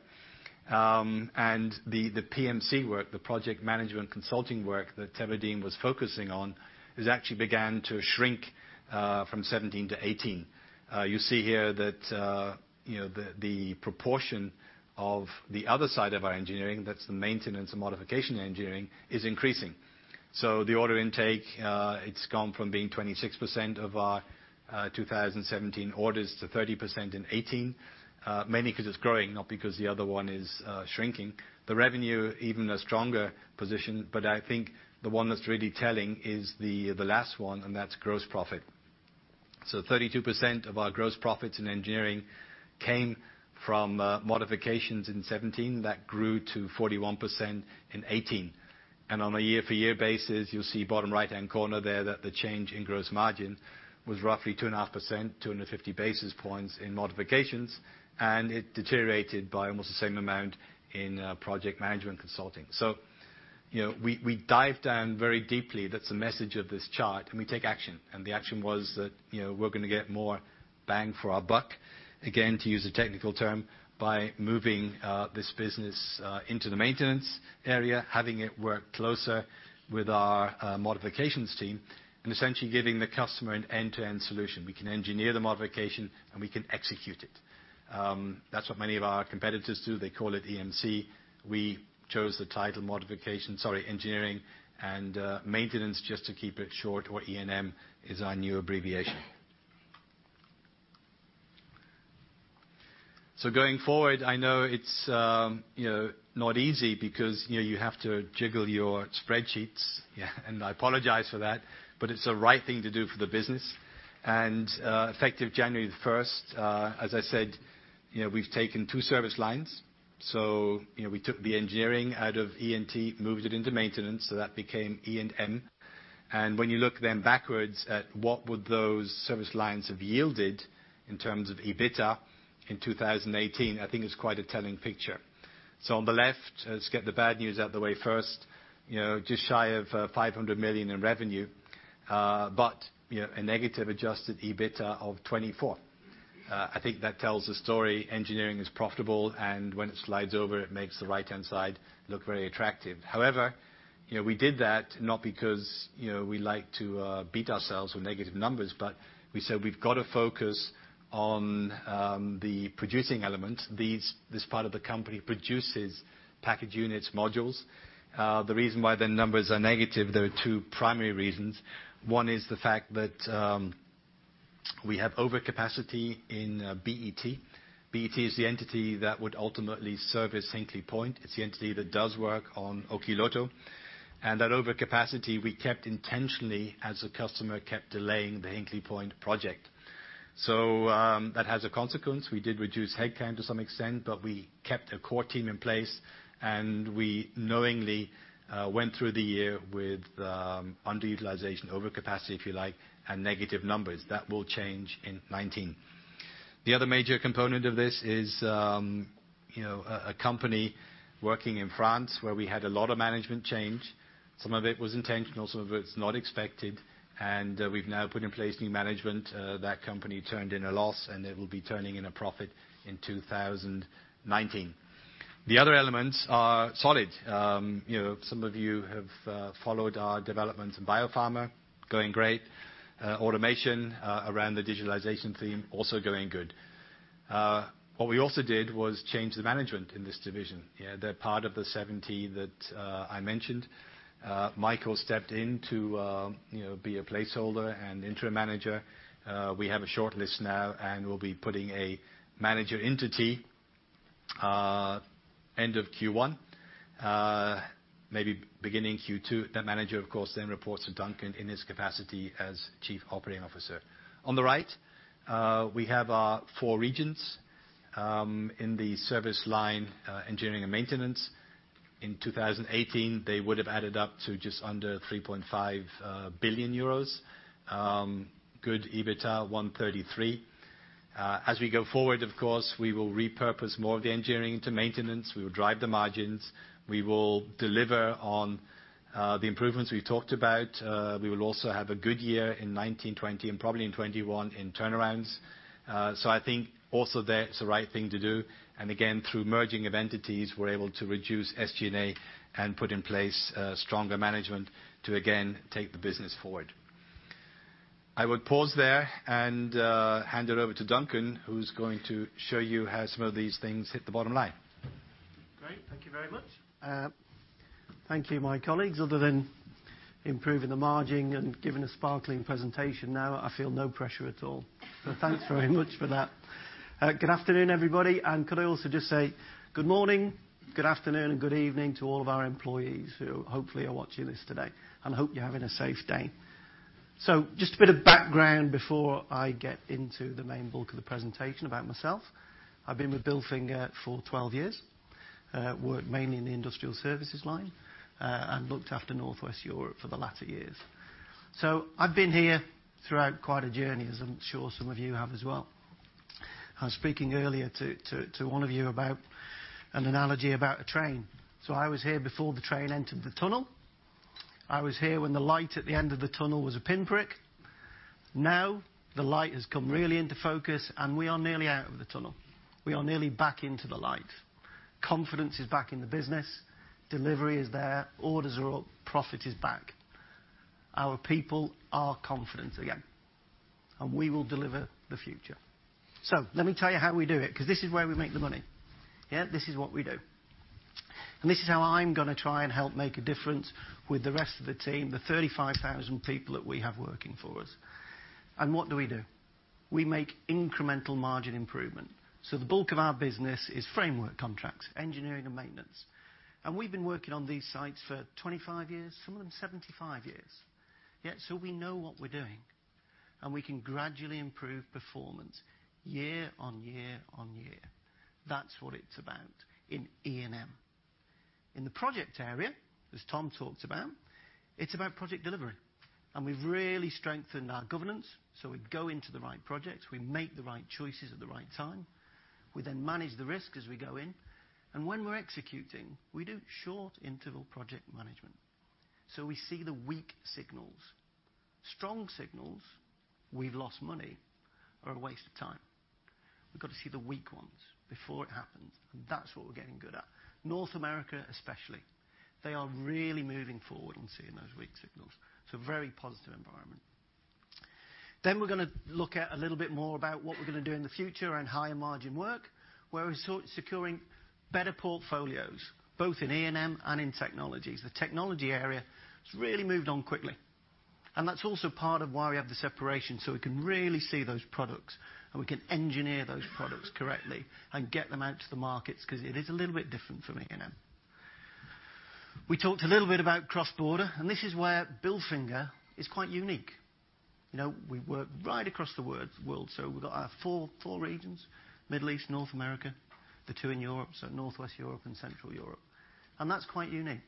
The PMC work, the project management consulting work that Tebodin was focusing on, has actually began to shrink from 2017 to 2018. You see here that the proportion of the other side of our engineering, that is the maintenance and modification engineering, is increasing. The order intake, it has gone from being 26% of our 2017 orders to 30% in 2018. Mainly because it is growing, not because the other one is shrinking. The revenue, even a stronger position, I think the one that is really telling is the last one, that is gross profit. 32% of our gross profits in engineering came from modifications in 2017. That grew to 41% in 2018. On a year-for-year basis, you will see bottom right-hand corner there that the change in gross margin was roughly 2.5%, 250 basis points in modifications, it deteriorated by almost the same amount in project management consulting. We dive down very deeply, that is the message of this chart, we take action. The action was that we are going to get more bang for our buck, again, to use a technical term, by moving this business into the maintenance area, having it work closer with our modifications team, and essentially giving the customer an end-to-end solution. We can engineer the modification, we can execute it. That is what many of our competitors do. They call it EMC. We chose the title modification, sorry, engineering and maintenance just to keep it short, or E&M is our new abbreviation. Going forward, I know it is not easy because you have to jiggle your spreadsheets, I apologize for that, it is the right thing to do for the business. Effective January the 1st, as I said, we have taken two service lines. We took the engineering out of E&T, moved it into maintenance, so that became E&M. When you look then backwards at what would those service lines have yielded in terms of EBITDA in 2018, I think it is quite a telling picture. On the left, let us get the bad news out the way first. Just shy of 500 million in revenue. A negative adjusted EBITDA of 24. I think that tells the story. Engineering is profitable, when it slides over, it makes the right-hand side look very attractive. However, we did that not because we like to beat ourselves with negative numbers, but we said we've got to focus on the producing element. This part of the company produces package units, modules. The reason why the numbers are negative, there are two primary reasons. One is the fact that we have overcapacity in E&T. E&T is the entity that would ultimately service Hinkley Point. It's the entity that does work on Olkiluoto. That overcapacity we kept intentionally as the customer kept delaying the Hinkley Point project. That has a consequence. We did reduce headcount to some extent, but we kept a core team in place, and we knowingly went through the year with underutilization, overcapacity, if you like, and negative numbers. That will change in 2019. The other major component of this is a company working in France where we had a lot of management change. Some of it was intentional, some of it's not expected, and we've now put in place new management. That company turned in a loss, and it will be turning in a profit in 2019. The other elements are solid. Some of you have followed our development in biopharma, going great. Automation around the digitalization theme, also going well. What we also did was change the management in this division. They're part of the 70 that I mentioned. Michael stepped in to be a placeholder and interim manager. We have a shortlist now, and we'll be putting a manager entity end of Q1, maybe beginning Q2. That manager, of course, then reports to Duncan in his capacity as Chief Operating Officer. On the right, we have our four regions, in the service line, engineering and maintenance. In 2018, they would have added up to just under 3.5 billion euros. Good EBITDA of 133 million. As we go forward, of course, we will repurpose more of the engineering to maintenance. We will drive the margins. We will deliver on the improvements we talked about. We will also have a good year in 2019, 2020, and probably in 2021 in turnarounds. I think also there it's the right thing to do. Again, through merging of entities, we're able to reduce SG&A and put in place stronger management to again take the business forward. I would pause there and hand it over to Duncan, who's going to show you how some of these things hit the bottom line. Great. Thank you very much. Thank you, my colleagues. Other than improving the margin and giving a sparkling presentation now, I feel no pressure at all. Thanks very much for that. Good afternoon, everybody. Could I also just say good morning, good afternoon, and good evening to all of our employees who hopefully are watching this today, and hope you're having a safe day. Just a bit of background before I get into the main bulk of the presentation about myself. I've been with Bilfinger for 12 years. Worked mainly in the industrial services line, and looked after Northwest Europe for the latter years. I've been here throughout quite a journey, as I'm sure some of you have as well. I was speaking earlier to one of you about an analogy about a train. I was here before the train entered the tunnel. I was here when the light at the end of the tunnel was a pinprick. Now the light has come really into focus, and we are nearly out of the tunnel. We are nearly back into the light. Confidence is back in the business. Delivery is there, orders are up, profit is back. Our people are confident again, and we will deliver the future. Let me tell you how we do it, because this is where we make the money. Yeah. This is what we do. This is how I'm going to try and help make a difference with the rest of the team, the 35,000 people that we have working for us. What do we do? We make incremental margin improvement. The bulk of our business is framework contracts, Engineering and Maintenance. We've been working on these sites for 25 years, some of them 75 years. Yeah. We know what we're doing, and we can gradually improve performance year on year on year. That's what it's about in E&M. In the project area, as Tom Blades talked about, it's about project delivery, and we've really strengthened our governance. We go into the right projects, we make the right choices at the right time. We manage the risk as we go in, and when we're executing, we do short interval project management. We see the weak signals. Strong signals, we've lost money or a waste of time. We've got to see the weak ones before it happens, and that's what we're getting good at. North America especially, they are really moving forward in seeing those weak signals. It's a very positive environment. We're going to look at a little bit more about what we're going to do in the future and higher margin work, where we're securing better portfolios both in E&M and in Technologies. The Technology area has really moved on quickly, and that's also part of why we have the separation, so we can really see those products and we can engineer those products correctly and get them out to the markets because it is a little bit different from E&M. We talked a little bit about cross-border, and this is where Bilfinger is quite unique. We work right across the world. We've got our four regions, Middle East, North America, the two in Europe, Northwest Europe and Central Europe. That's quite unique.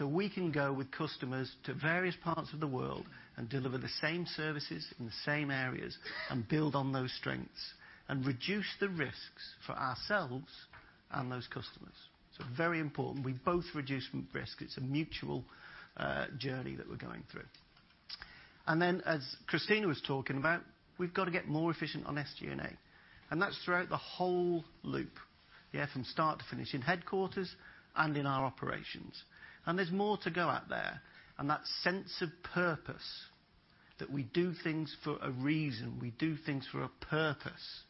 We can go with customers to various parts of the world and deliver the same services in the same areas and build on those strengths and reduce the risks for ourselves and those customers. Very important we both reduce risk. It's a mutual journey that we're going through. As Christina was talking about, we've got to get more efficient on SG&A, and that's throughout the whole loop. Yeah. From start to finish in headquarters and in our operations. There's more to go at there. That sense of purpose that we do things for a reason, we do things for a purpose,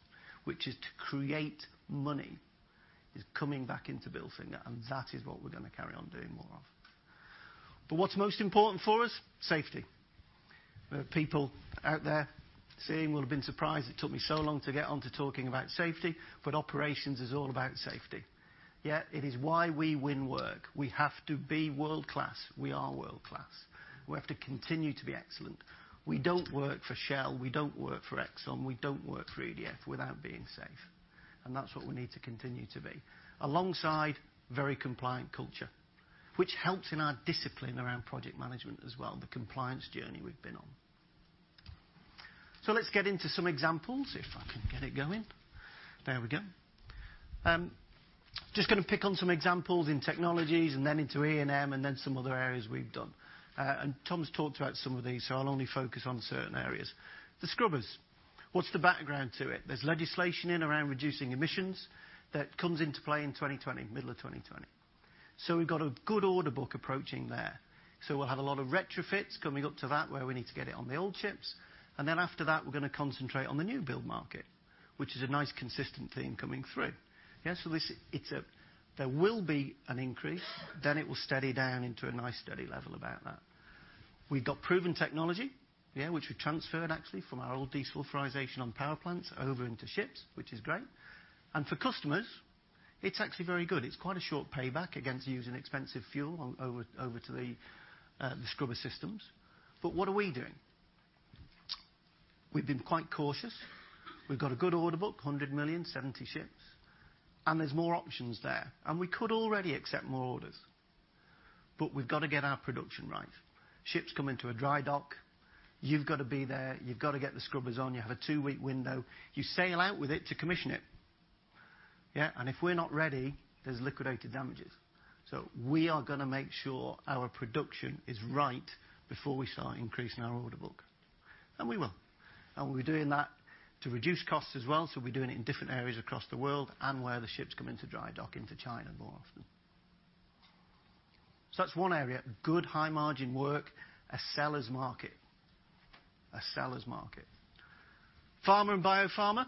which is to create money, is coming back into Bilfinger, and that is what we're going to carry on doing more of. What's most important for us? Safety. There are people out there saying we'll have been surprised it took me so long to get onto talking about safety, but operations is all about safety. It is why we win work. We have to be world-class. We are world-class. We have to continue to be excellent. We don't work for Shell, we don't work for Exxon, we don't work for EDF without being safe, and that's what we need to continue to be. Alongside very compliant culture, which helps in our discipline around project management as well, the compliance journey we've been on. Let's get into some examples, if I can get it going. There we go. Just going to pick on some examples in technologies and then into E&M, and then some other areas we've done. Tom's talked about some of these, so I'll only focus on certain areas. The scrubbers, what's the background to it? There's legislation in around reducing emissions that comes into play in 2020, middle of 2020. We've got a good order book approaching there. We'll have a lot of retrofits coming up to that, where we need to get it on the old ships, and then after that, we're going to concentrate on the new build market, which is a nice consistent theme coming through. There will be an increase, then it will steady down into a nice steady level about that. We've got proven technology which we transferred actually from our old desulfurization on power plants over into ships, which is great. For customers, it's actually very good. It's quite a short payback against using expensive fuel over to the scrubber systems. What are we doing? We've been quite cautious. We've got a good order book, 100 million, 70 ships, and there's more options there, and we could already accept more orders. We've got to get our production right. Ships come into a dry dock. You've got to be there, you've got to get the scrubbers on. You have a two-week window. You sail out with it to commission it. If we're not ready, there's liquidated damages. We are going to make sure our production is right before we start increasing our order book. We will. We'll be doing that to reduce costs as well, we'll be doing it in different areas across the world and where the ships come into dry dock into China more often. That's one area, good high margin work, a seller's market. Pharma and biopharma,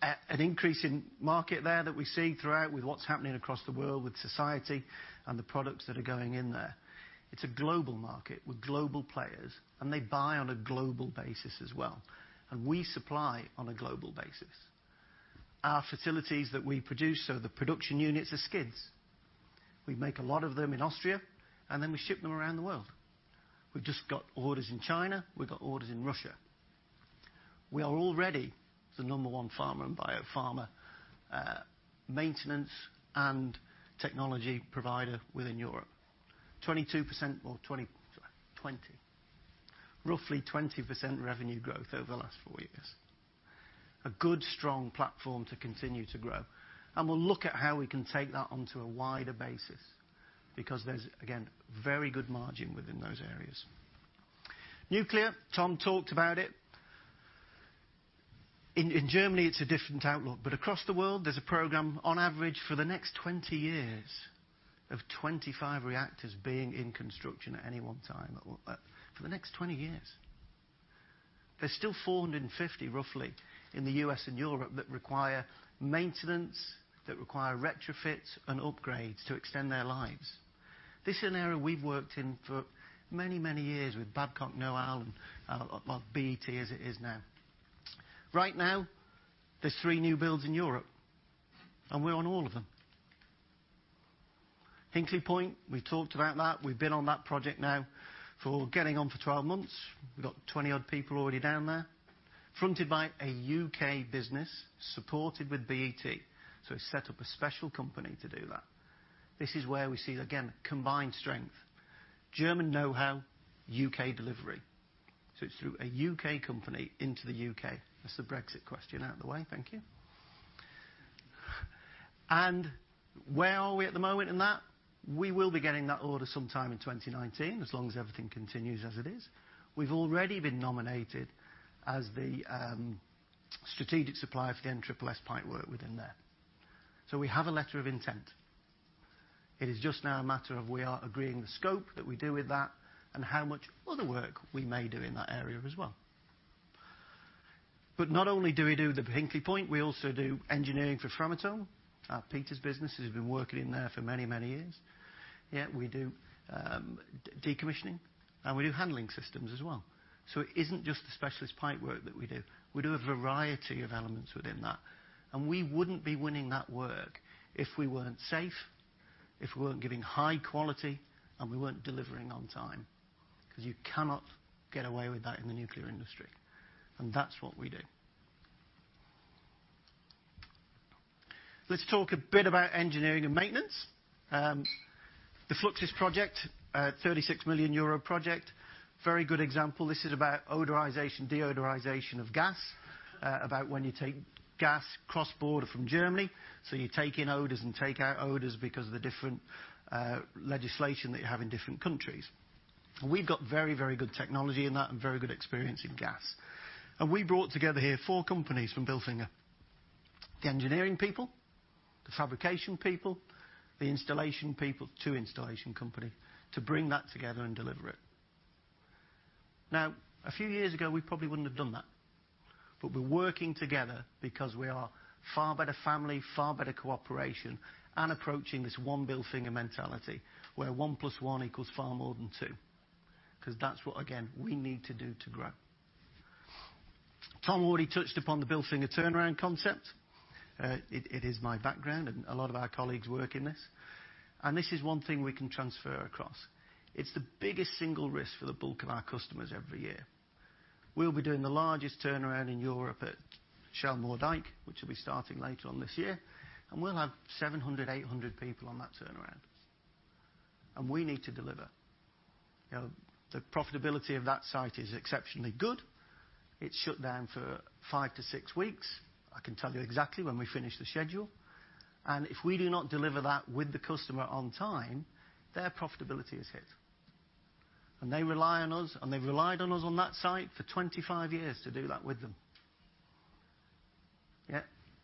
an increase in market there that we see throughout with what's happening across the world with society and the products that are going in there. It's a global market with global players, they buy on a global basis as well. We supply on a global basis. Our facilities that we produce are the production units, the skids. We make a lot of them in Austria, and then we ship them around the world. We've just got orders in China, we've got orders in Russia. We are already the number one pharma and biopharma maintenance and technology provider within Europe. 20, roughly 20% revenue growth over the last four years. A good, strong platform to continue to grow. We'll look at how we can take that onto a wider basis because there's, again, very good margin within those areas. Nuclear, Tom talked about it. In Germany, it's a different outlook. Across the world, there's a program on average for the next 20 years of 25 reactors being in construction at any one time. For the next 20 years. There's still 450, roughly, in the U.S. and Europe that require maintenance, that require retrofits and upgrades to extend their lives. This is an area we've worked in for many, many years with Babcock Noell, or E&T as it is now. Right now, there's three new builds in Europe, and we're on all of them. Hinkley Point, we've talked about that. We've been on that project now for getting on for 12 months. We've got 20-odd people already down there. Fronted by a U.K. business supported with E&T. We set up a special company to do that. This is where we see, again, combined strength. German know-how, U.K. delivery. It's through a U.K. company into the U.K. That's the Brexit question out of the way. Thank you. And where are we at the moment in that? We will be getting that order sometime in 2019 as long as everything continues as it is. We've already been nominated as the strategic supplier for the SSS pipework within there. We have a letter of intent. It is just now a matter of we are agreeing the scope that we do with that and how much other work we may do in that area as well. But not only do we do the Hinkley Point, we also do engineering for Framatome. Peter's business has been working in there for many, many years. We do decommissioning, and we do handling systems as well. It isn't just the specialist pipework that we do. We do a variety of elements within that, and we wouldn't be winning that work if we weren't safe, if we weren't giving high quality, and we weren't delivering on time, because you cannot get away with that in the nuclear industry. That's what we do. Let's talk a bit about engineering and maintenance. The Fluxys project, a 36 million euro project. Very good example. This is about odorization, deodorization of gas, about when you take gas cross-border from Germany, you take in odors and take out odors because of the different legislation that you have in different countries. We've got very, very good technology in that and very good experience in gas. We brought together here four companies from Bilfinger: the engineering people, the fabrication people, the installation people, two installation company, to bring that together and deliver it. A few years ago, we probably wouldn't have done that. We're working together because we are far better family, far better cooperation, and approaching this one Bilfinger mentality where one plus one equals far more than two, because that's what, again, we need to do to grow. Tom already touched upon the Bilfinger turnaround concept. It is my background, and a lot of our colleagues work in this, and this is one thing we can transfer across. It's the biggest single risk for the bulk of our customers every year. We'll be doing the largest turnaround in Europe at Shell Moerdijk, which will be starting later on this year, and we'll have 700, 800 people on that turnaround. We need to deliver. The profitability of that site is exceptionally good. It's shut down for five to six weeks. I can tell you exactly when we finish the schedule. If we do not deliver that with the customer on time, their profitability is hit. They rely on us, and they've relied on us on that site for 25 years to do that with them. Yeah.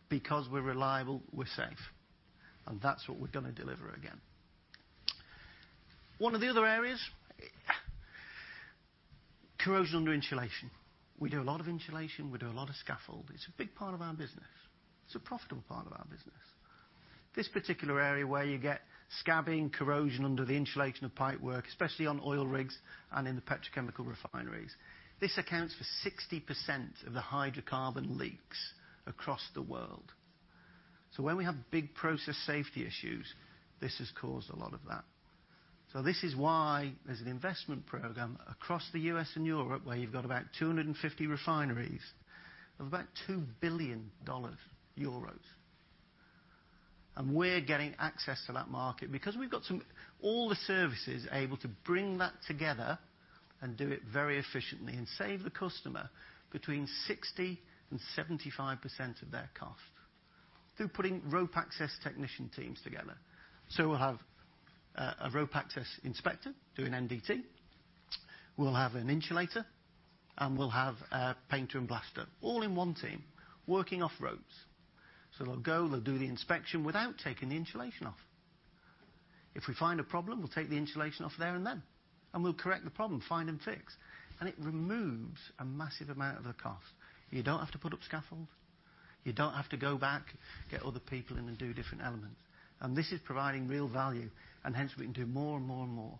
Because we're reliable, we're safe. That's what we're going to deliver again. One of the other areas, corrosion under insulation. We do a lot of insulation. We do a lot of scaffold. It's a big part of our business. It's a profitable part of our business. This particular area where you get scabbing, corrosion under the insulation of pipework, especially on oil rigs and in the petrochemical refineries. This accounts for 60% of the hydrocarbon leaks across the world. When we have big process safety issues, this has caused a lot of that. This is why there's an investment program across the U.S. and Europe where you've got about 250 refineries of about $2 billion. We're getting access to that market because we've got all the services able to bring that together and do it very efficiently and save the customer between 60% and 75% of their cost through putting rope access technician teams together. We'll have a rope access inspector do an NDT, we'll have an insulator, and we'll have a painter and blaster all in one team working off ropes. So they'll go, they'll do the inspection without taking the insulation off. If we find a problem, we'll take the insulation off there and then, and we'll correct the problem, find and fix, and it removes a massive amount of the cost. You don't have to put up scaffold. You don't have to go back, get other people in, and do different elements. This is providing real value and hence we can do more and more and more,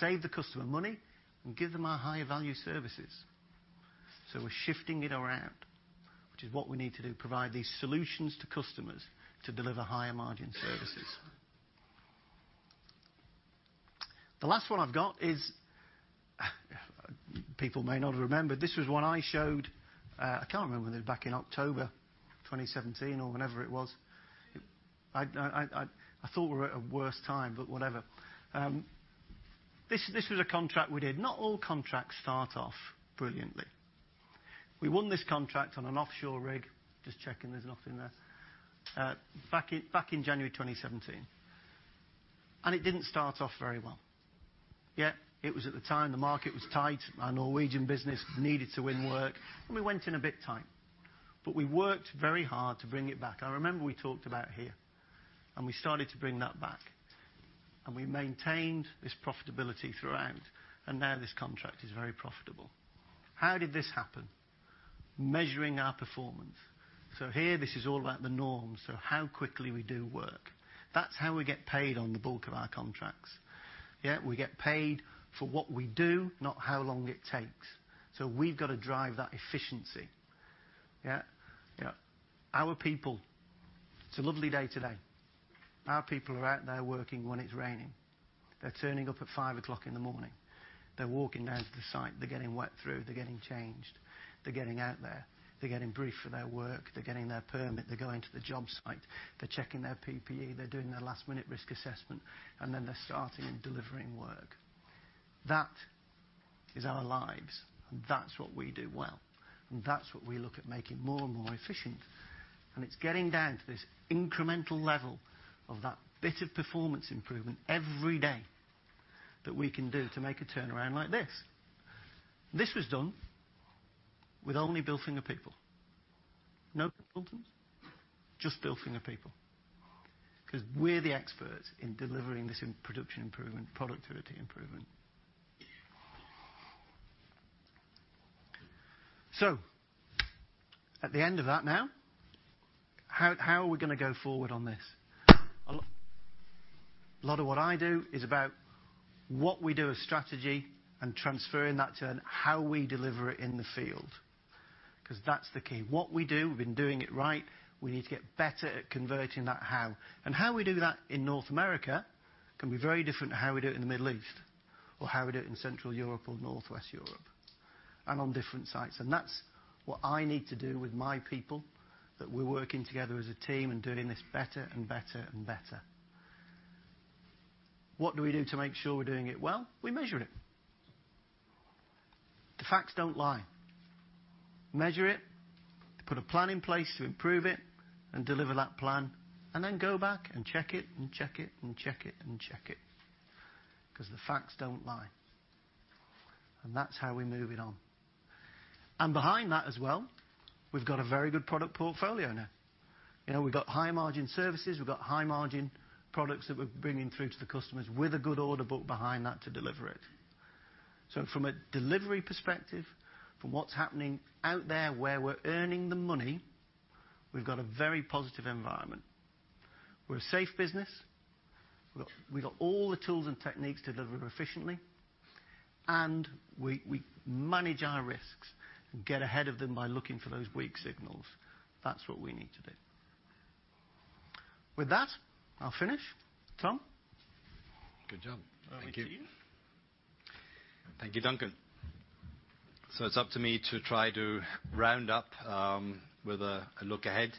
save the customer money and give them our higher value services. We're shifting it around, which is what we need to do, provide these solutions to customers to deliver higher margin services. The last one I've got is People may not remember. This was one I showed, I can't remember whether it was back in October 2017 or whenever it was. I thought we were at a worse time, but whatever. This was a contract we did. Not all contracts start off brilliantly. We won this contract on an offshore rig. Just checking there's nothing there. Back in January 2017. It didn't start off very well. Yet it was at the time, the market was tight. Our Norwegian business needed to win work, and we went in a bit tight. We worked very hard to bring it back. I remember we talked about here, and we started to bring that back. We maintained this profitability throughout, and now this contract is very profitable. How did this happen? Measuring our performance. Here, this is all about the norms, so how quickly we do work. That's how we get paid on the bulk of our contracts. Yeah, we get paid for what we do, not how long it takes. We've got to drive that efficiency. Yeah. Our people, it's a lovely day today. Our people are out there working when it's raining. They're turning up at 5:00 A.M. They're walking down to the site. They're getting wet through. They're getting changed. They're getting out there. They're getting briefed for their work. They're getting their permit. They're going to the job site. They're checking their PPE. They're doing their last-minute risk assessment, and then they're starting and delivering work. That is our lives. That's what we do well, that's what we look at making more and more efficient. It's getting down to this incremental level of that bit of performance improvement every day that we can do to make a turnaround like this. This was done with only Bilfinger people. No consultants, just Bilfinger people because we're the experts in delivering this in production improvement, productivity improvement. At the end of that now, how are we going to go forward on this? A lot of what I do is about what we do as strategy and transferring that to how we deliver it in the field because that's the key. What we do, we've been doing it right. We need to get better at converting that how. How we do that in North America can be very different to how we do it in the Middle East or how we do it in Central Europe or Northwest Europe and on different sites. That's what I need to do with my people, that we're working together as a team and doing this better and better and better. What do we do to make sure we're doing it well? We measure it. The facts don't lie. Measure it, put a plan in place to improve it, deliver that plan, then go back and check it and check it and check it and check it because the facts don't lie. That's how we move it on. Behind that as well, we've got a very good product portfolio now. We've got high margin services, we've got high margin products that we're bringing through to the customers with a good order book behind that to deliver it. From a delivery perspective, from what's happening out there, where we're earning the money, we've got a very positive environment. We're a safe business. We've got all the tools and techniques to deliver efficiently, we manage our risks and get ahead of them by looking for those weak signals. That's what we need to do. With that, I'll finish. Tom? Good job. Thank you. Over to you. Thank you, Duncan. It's up to me to try to round up with a look ahead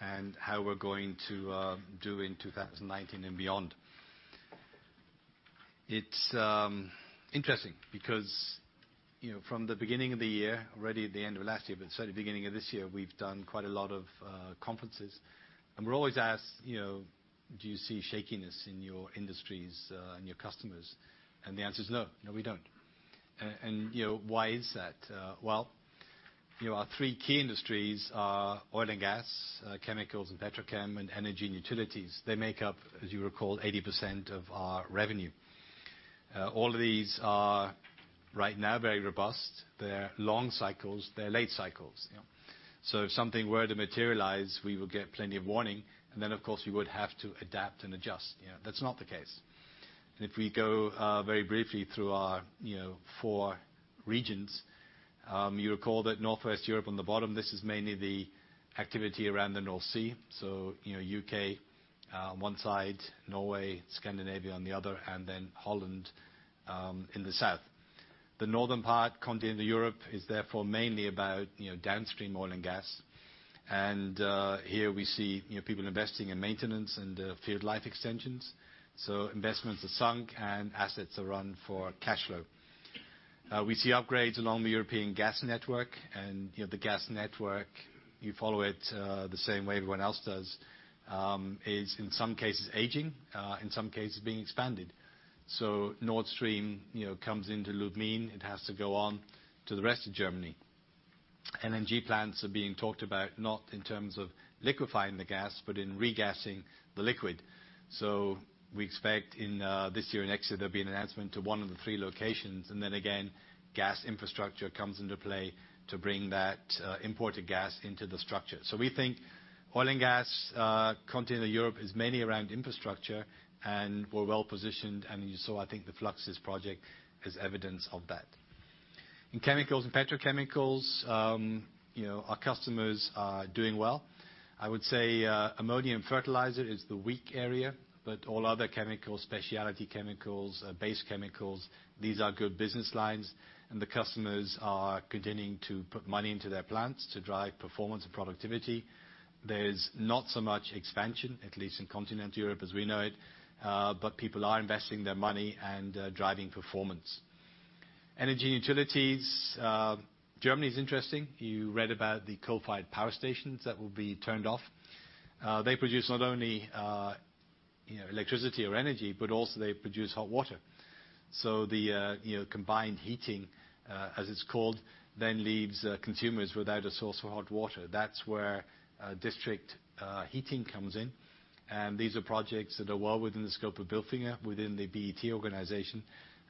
and how we're going to do in 2019 and beyond. It's interesting because from the beginning of the year, already at the end of last year, but certainly the beginning of this year, we've done quite a lot of conferences, and we're always asked, "Do you see shakiness in your industries, in your customers?" The answer is no. No, we don't. Why is that? Well, our three key industries are oil and gas, chemicals and petrochem, and energy and utilities. They make up, as you recall, 80% of our revenue. All of these are right now very robust. They're long cycles, they're late cycles. Yeah. If something were to materialize, we would get plenty of warning, and then, of course, we would have to adapt and adjust. That's not the case. If we go very briefly through our four regions, you recall that Northwest Europe on the bottom, this is mainly the activity around the North Sea. U.K. one side, Norway, Scandinavia on the other, and then Holland in the south. The northern part, Continental Europe, is therefore mainly about downstream oil and gas. Here we see people investing in maintenance and field life extensions. Investments are sunk and assets are run for cash flow. We see upgrades along the European gas network, and the gas network, you follow it the same way everyone else does, is in some cases aging, in some cases being expanded. Nord Stream comes into Lubmin, it has to go on to the rest of Germany. LNG plants are being talked about, not in terms of liquefying the gas, but in regassing the liquid. We expect this year and next year there'll be an announcement to one of the three locations, and then again, gas infrastructure comes into play to bring that imported gas into the structure. We think oil and gas, Continental Europe, is mainly around infrastructure, and we're well positioned. I think the Fluxys project is evidence of that. In chemicals and petrochemicals, our customers are doing well. I would say ammonium fertilizer is the weak area, but all other chemicals, specialty chemicals, base chemicals, these are good business lines, and the customers are continuing to put money into their plants to drive performance and productivity. There's not so much expansion, at least in Continental Europe as we know it, but people are investing their money and driving performance. Energy and utilities. Germany is interesting. You read about the coal-fired power stations that will be turned off. They produce not only electricity or energy, but also they produce hot water. The combined heating, as it's called, then leaves consumers without a source of hot water. That's where district heating comes in, these are projects that are well within the scope of Bilfinger within the BET organization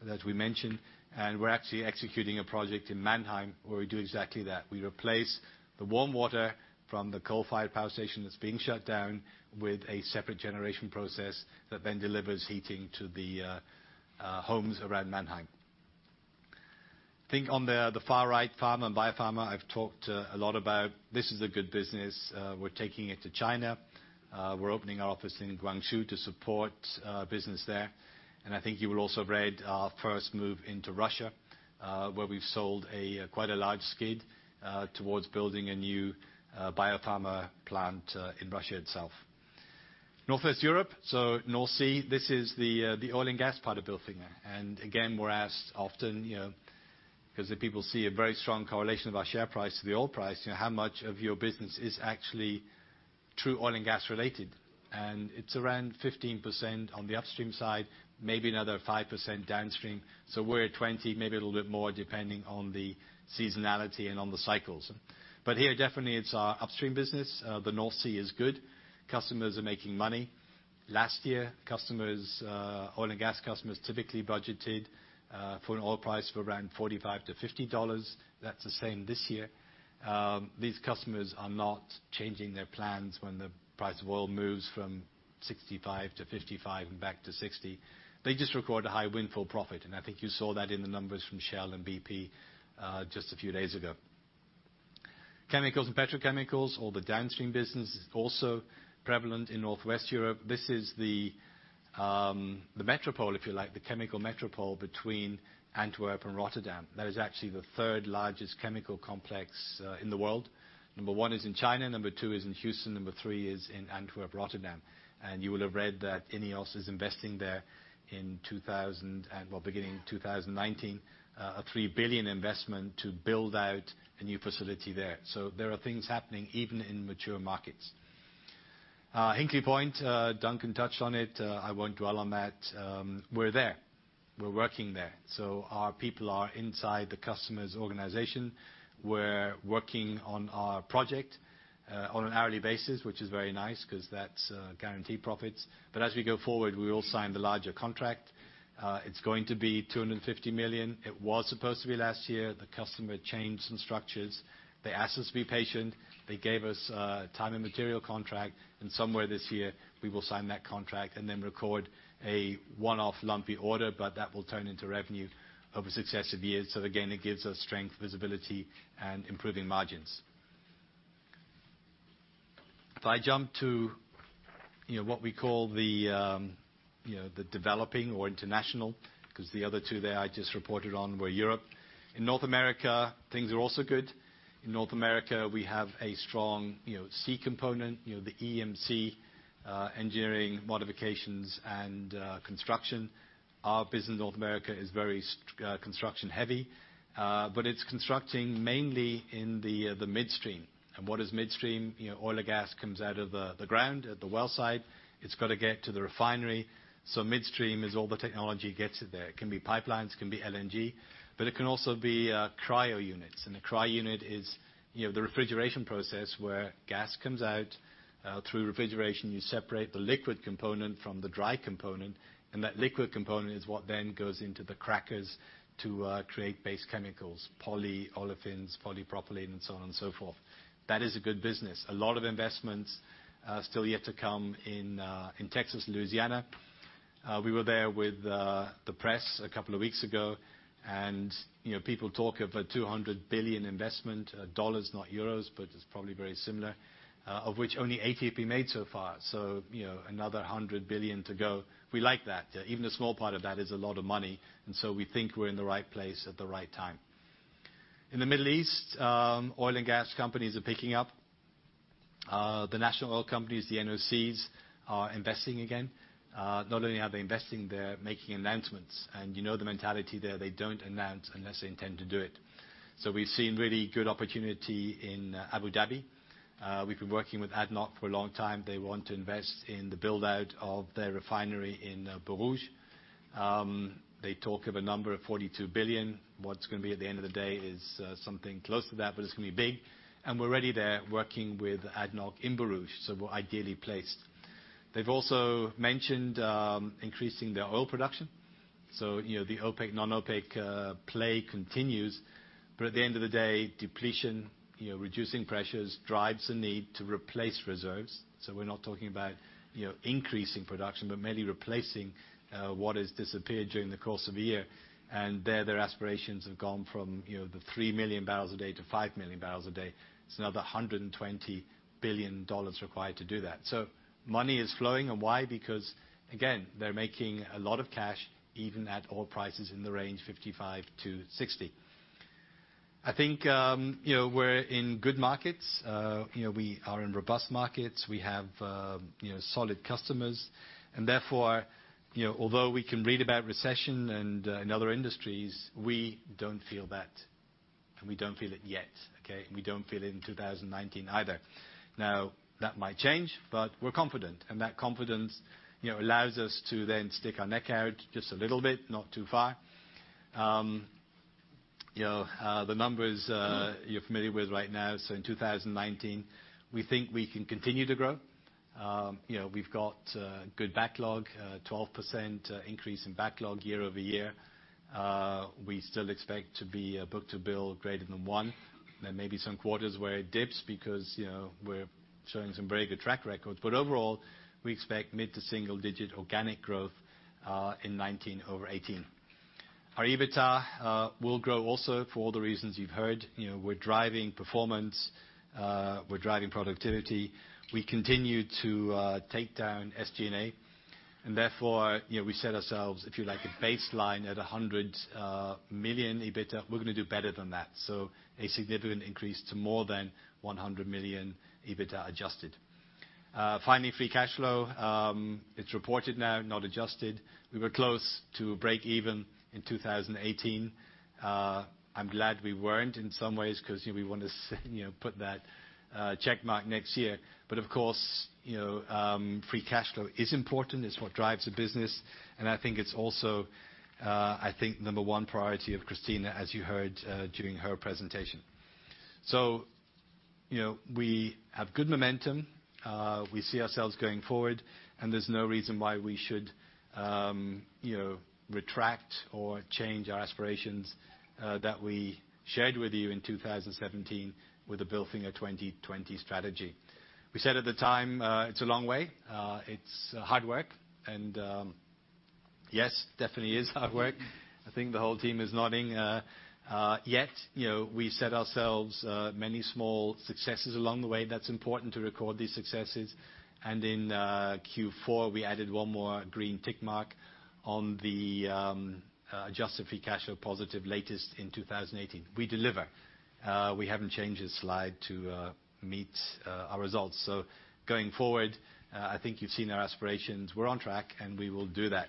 that we mentioned. We're actually executing a project in Mannheim where we do exactly that. We replace the warm water from the coal-fired power station that's being shut down with a separate generation process that then delivers heating to the homes around Mannheim. I think on the far right, pharma and biopharma, I've talked a lot about this is a good business. We're taking it to China. We're opening our office in Guangzhou to support business there. I think you will also have read our first move into Russia, where we've sold quite a large skid towards building a new biopharma plant in Russia itself. Northwest Europe, North Sea, this is the oil and gas part of Bilfinger. Again, we're asked often, because the people see a very strong correlation of our share price to the oil price, "How much of your business is actually true oil and gas related?" It's around 15% on the upstream side, maybe another 5% downstream. We're at 20%, maybe a little bit more, depending on the seasonality and on the cycles. Here, definitely it's our upstream business. The North Sea is good. Customers are making money. Last year, oil and gas customers typically budgeted for an oil price for around $45-$50. That's the same this year. These customers are not changing their plans when the price of oil moves from $65 to $55 and back to $60. They just record a high windfall profit, and I think you saw that in the numbers from Shell and BP just a few days ago. Chemicals and petrochemicals, all the downstream business is also prevalent in Northwest Europe. This is the metropole, if you like, the chemical metropole between Antwerp and Rotterdam. That is actually the third largest chemical complex in the world. Number one is in China, Number two is in Houston, Number three is in Antwerp, Rotterdam. You will have read that INEOS is investing there beginning 2019, a $3 billion investment to build out a new facility there. There are things happening even in mature markets. Hinkley Point, Duncan touched on it, I won't dwell on that. We're there. We're working there. Our people are inside the customer's organization. We're working on our project on an hourly basis, which is very nice because that's guaranteed profits. As we go forward, we will sign the larger contract. It's going to be 250 million. It was supposed to be last year. The customer changed some structures. They asked us to be patient. They gave us a time and material contract, somewhere this year, we will sign that contract and then record a one-off lumpy order, that will turn into revenue over successive years. Again, it gives us strength, visibility and improving margins. If I jump to what we call the developing or international, because the other two there I just reported on were Europe. In North America, things are also good. In North America, we have a strong C component, the EMC, engineering, modifications, and construction. Our business in North America is very construction heavy, but it's constructing mainly in the midstream. What is midstream? Oil and gas comes out of the ground at the well site. It's got to get to the refinery. Midstream is all the technology gets it there. It can be pipelines, it can be LNG, but it can also be cryo units. A cryo unit is the refrigeration process where gas comes out. Through refrigeration, you separate the liquid component from the dry component. That liquid component is what then goes into the crackers to create base chemicals, polyolefins, polypropylene, and so on and so forth. That is a good business. A lot of investments are still yet to come in Texas and Louisiana. We were there with the press a couple of weeks ago. People talk of a $200 billion investment, dollars not euros, but it's probably very similar, of which only $80 have been made so far. Another $100 billion to go. We like that. Even a small part of that is a lot of money. We think we're in the right place at the right time. In the Middle East, oil and gas companies are picking up. The national oil companies, the NOCs, are investing again. Not only are they investing, they're making announcements. You know the mentality there. They don't announce unless they intend to do it. We've seen really good opportunity in Abu Dhabi. We've been working with ADNOC for a long time. They want to invest in the build-out of their refinery in Ruwais. They talk of a number of 42 billion. What it's going to be at the end of the day is something close to that, but it's going to be big. We're already there working with ADNOC in Ruwais, so we're ideally placed. They've also mentioned increasing their oil production. The OPEC, non-OPEC play continues. At the end of the day, depletion, reducing pressures, drives the need to replace reserves. We're not talking about increasing production, but merely replacing what has disappeared during the course of a year. There, their aspirations have gone from the 3 million barrels a day to 5 million barrels a day. It's another $120 billion required to do that. Money is flowing, and why? Again, they're making a lot of cash, even at oil prices in the range of $55 to $60. I think we're in good markets. We are in robust markets. We have solid customers. Although we can read about recession and in other industries, we don't feel that, and we don't feel it yet, okay? We don't feel it in 2019 either. That might change. We're confident, and that confidence allows us to then stick our neck out just a little bit, not too far. The numbers you're familiar with right now. In 2019, we think we can continue to grow. We've got good backlog, a 12% increase in backlog year-over-year. We still expect to be a book-to-bill greater than one. There may be some quarters where it dips because we're showing some very good track records. Overall, we expect mid to single-digit organic growth in 2019 over 2018. Our EBITDA will grow also for all the reasons you've heard. We're driving performance. We're driving productivity. We continue to take down SG&A, and therefore we set ourselves, if you like, a baseline at 100 million EBITDA. We're going to do better than that. A significant increase to more than 100 million EBITDA adjusted. Finally, free cash flow. It's reported now, not adjusted. We were close to break even in 2018. I'm glad we weren't in some ways because we want to put that checkmark next year. Of course, free cash flow is important. It's what drives the business, and I think it's also, I think, the number one priority of Christina, as you heard during her presentation. We have good momentum. We see ourselves going forward, and there's no reason why we should retract or change our aspirations that we shared with you in 2017 with the Bilfinger 2020 Strategy. We said at the time, it's a long way. It's hard work, and yes, definitely is hard work. I think the whole team is nodding. We set ourselves many small successes along the way. That's important to record these successes. In Q4, we added one more green tick mark on the adjusted free cash flow positive latest in 2018. We deliver. We haven't changed this slide to meet our results. Going forward, I think you've seen our aspirations. We're on track, and we will do that.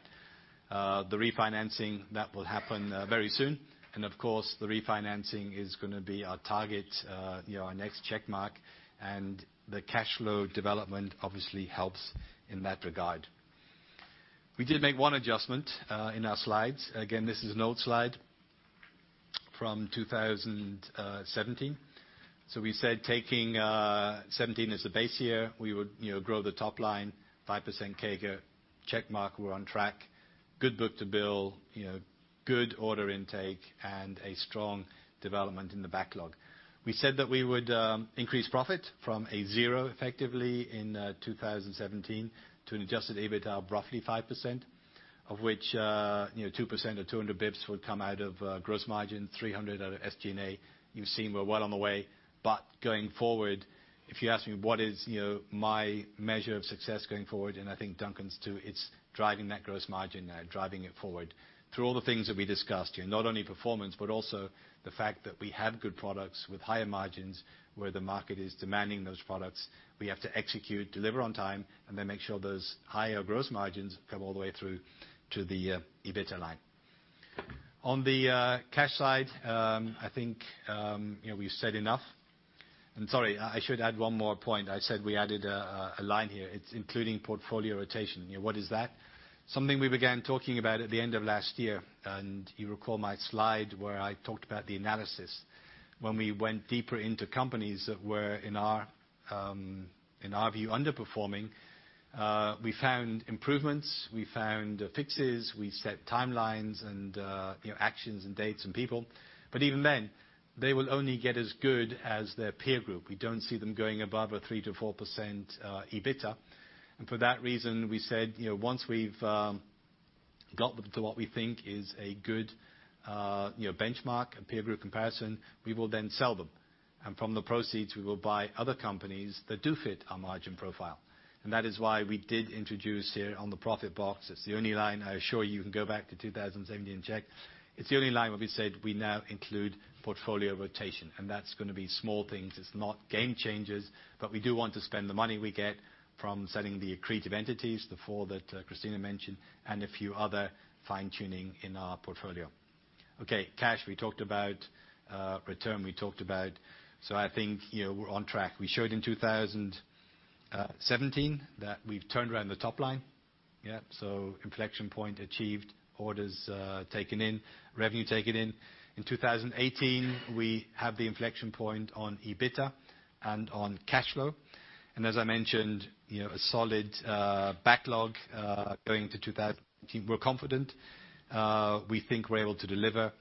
The refinancing, that will happen very soon. Of course, the refinancing is going to be our target, our next check mark. The cash flow development obviously helps in that regard. We did make one adjustment in our slides. Again, this is an old slide from 2017. We said taking 2017 as the base year, we would grow the top line 5% CAGR. Check mark, we're on track. Good book-to-bill, good order intake, and a strong development in the backlog. We said that we would increase profit from a zero, effectively, in 2017 to an adjusted EBITDA of roughly 5%, of which 2% or 200 basis points would come out of gross margin, 300 out of SG&A. You've seen we're well on the way. Going forward, if you ask me what is my measure of success going forward, and I think Duncan's too, it's driving that gross margin now, driving it forward through all the things that we discussed here. Not only performance, but also the fact that we have good products with higher margins where the market is demanding those products. We have to execute, deliver on time, and then make sure those higher gross margins come all the way through to the EBITDA line. On the cash side, I think we've said enough. I'm sorry, I should add one more point. I said we added a line here. It's including portfolio rotation. What is that? Something we began talking about at the end of last year, and you recall my slide where I talked about the analysis. When we went deeper into companies that were, in our view, underperforming, we found improvements, we found fixes, we set timelines and actions and dates and people. Even then, they will only get as good as their peer group. We don't see them going above a 3%-4% EBITDA. For that reason, we said, once we've got them to what we think is a good benchmark, a peer group comparison, we will then sell them. From the proceeds, we will buy other companies that do fit our margin profile. That is why we did introduce here on the profit box, it's the only line I assure you can go back to 2017 and check. It's the only line where we said we now include portfolio rotation, and that's going to be small things. It's not game changers, we do want to spend the money we get from selling the accretive entities, the four that Christina mentioned, and a few other fine tuning in our portfolio. Okay, cash we talked about, return we talked about. I think we're on track. We showed in 2017 that we've turned around the top line. Inflection point achieved, orders taken in, revenue taken in. In 2018, we have the inflection point on EBITDA and on cash flow. As I mentioned, a solid backlog going into 2020. We're confident. We think we're able to deliver,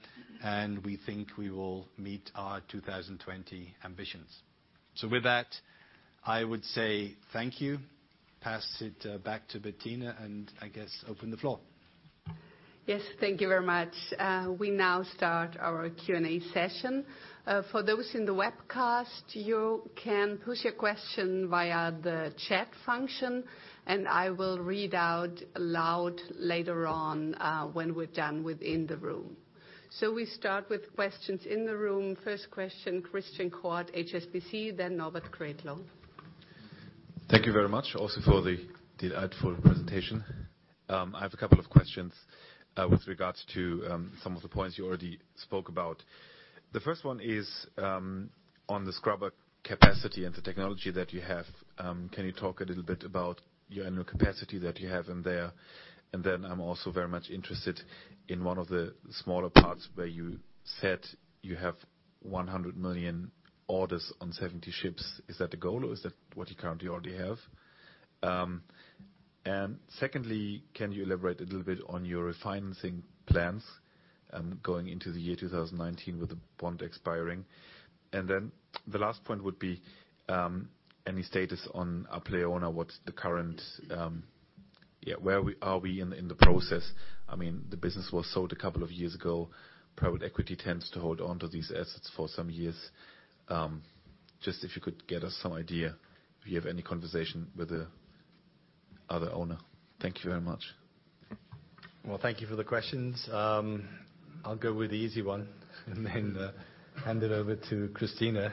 and we think we will meet our 2020 ambitions. With that, I would say thank you, pass it back to Bettina, and I guess open the floor. Yes, thank you very much. We now start our Q&A session. For those in the webcast, you can put your question via the chat function, and I will read out loud later on when we're done within the room. We start with questions in the room. First question, Christian Koch, HSBC, then Norbert Kretlow. Thank you very much also for the delightful presentation. I have a couple of questions with regards to some of the points you already spoke about. The first one is on the scrubber capacity and the technology that you have. Can you talk a little bit about your annual capacity that you have in there? Then I'm also very much interested in one of the smaller parts where you said you have 100 million orders on 70 ships. Is that the goal or is that what you currently already have? Secondly, can you elaborate a little bit on your refinancing plans going into the year 2019 with the bond expiring? Then the last point would be any status on Apleona. Where are we in the process? The business was sold a couple of years ago. Private equity tends to hold onto these assets for some years. Just if you could get us some idea if you have any conversation with the other owner. Thank you very much. Well, thank you for the questions. I'll go with the easy one and then hand it over to Christina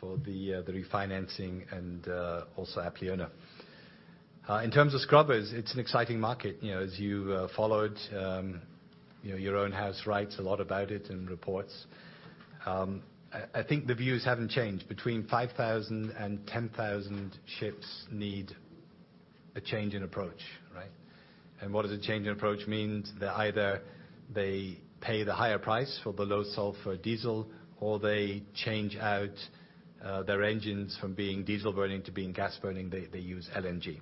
for the refinancing and also Apleona. In terms of scrubbers, it's an exciting market. As you followed, your own house writes a lot about it and reports. I think the views haven't changed. Between 5,000 and 10,000 ships need a change in approach. What does a change in approach mean? That either they pay the higher price for the low sulfur diesel, or they change out their engines from being diesel burning to being gas burning, they use LNG.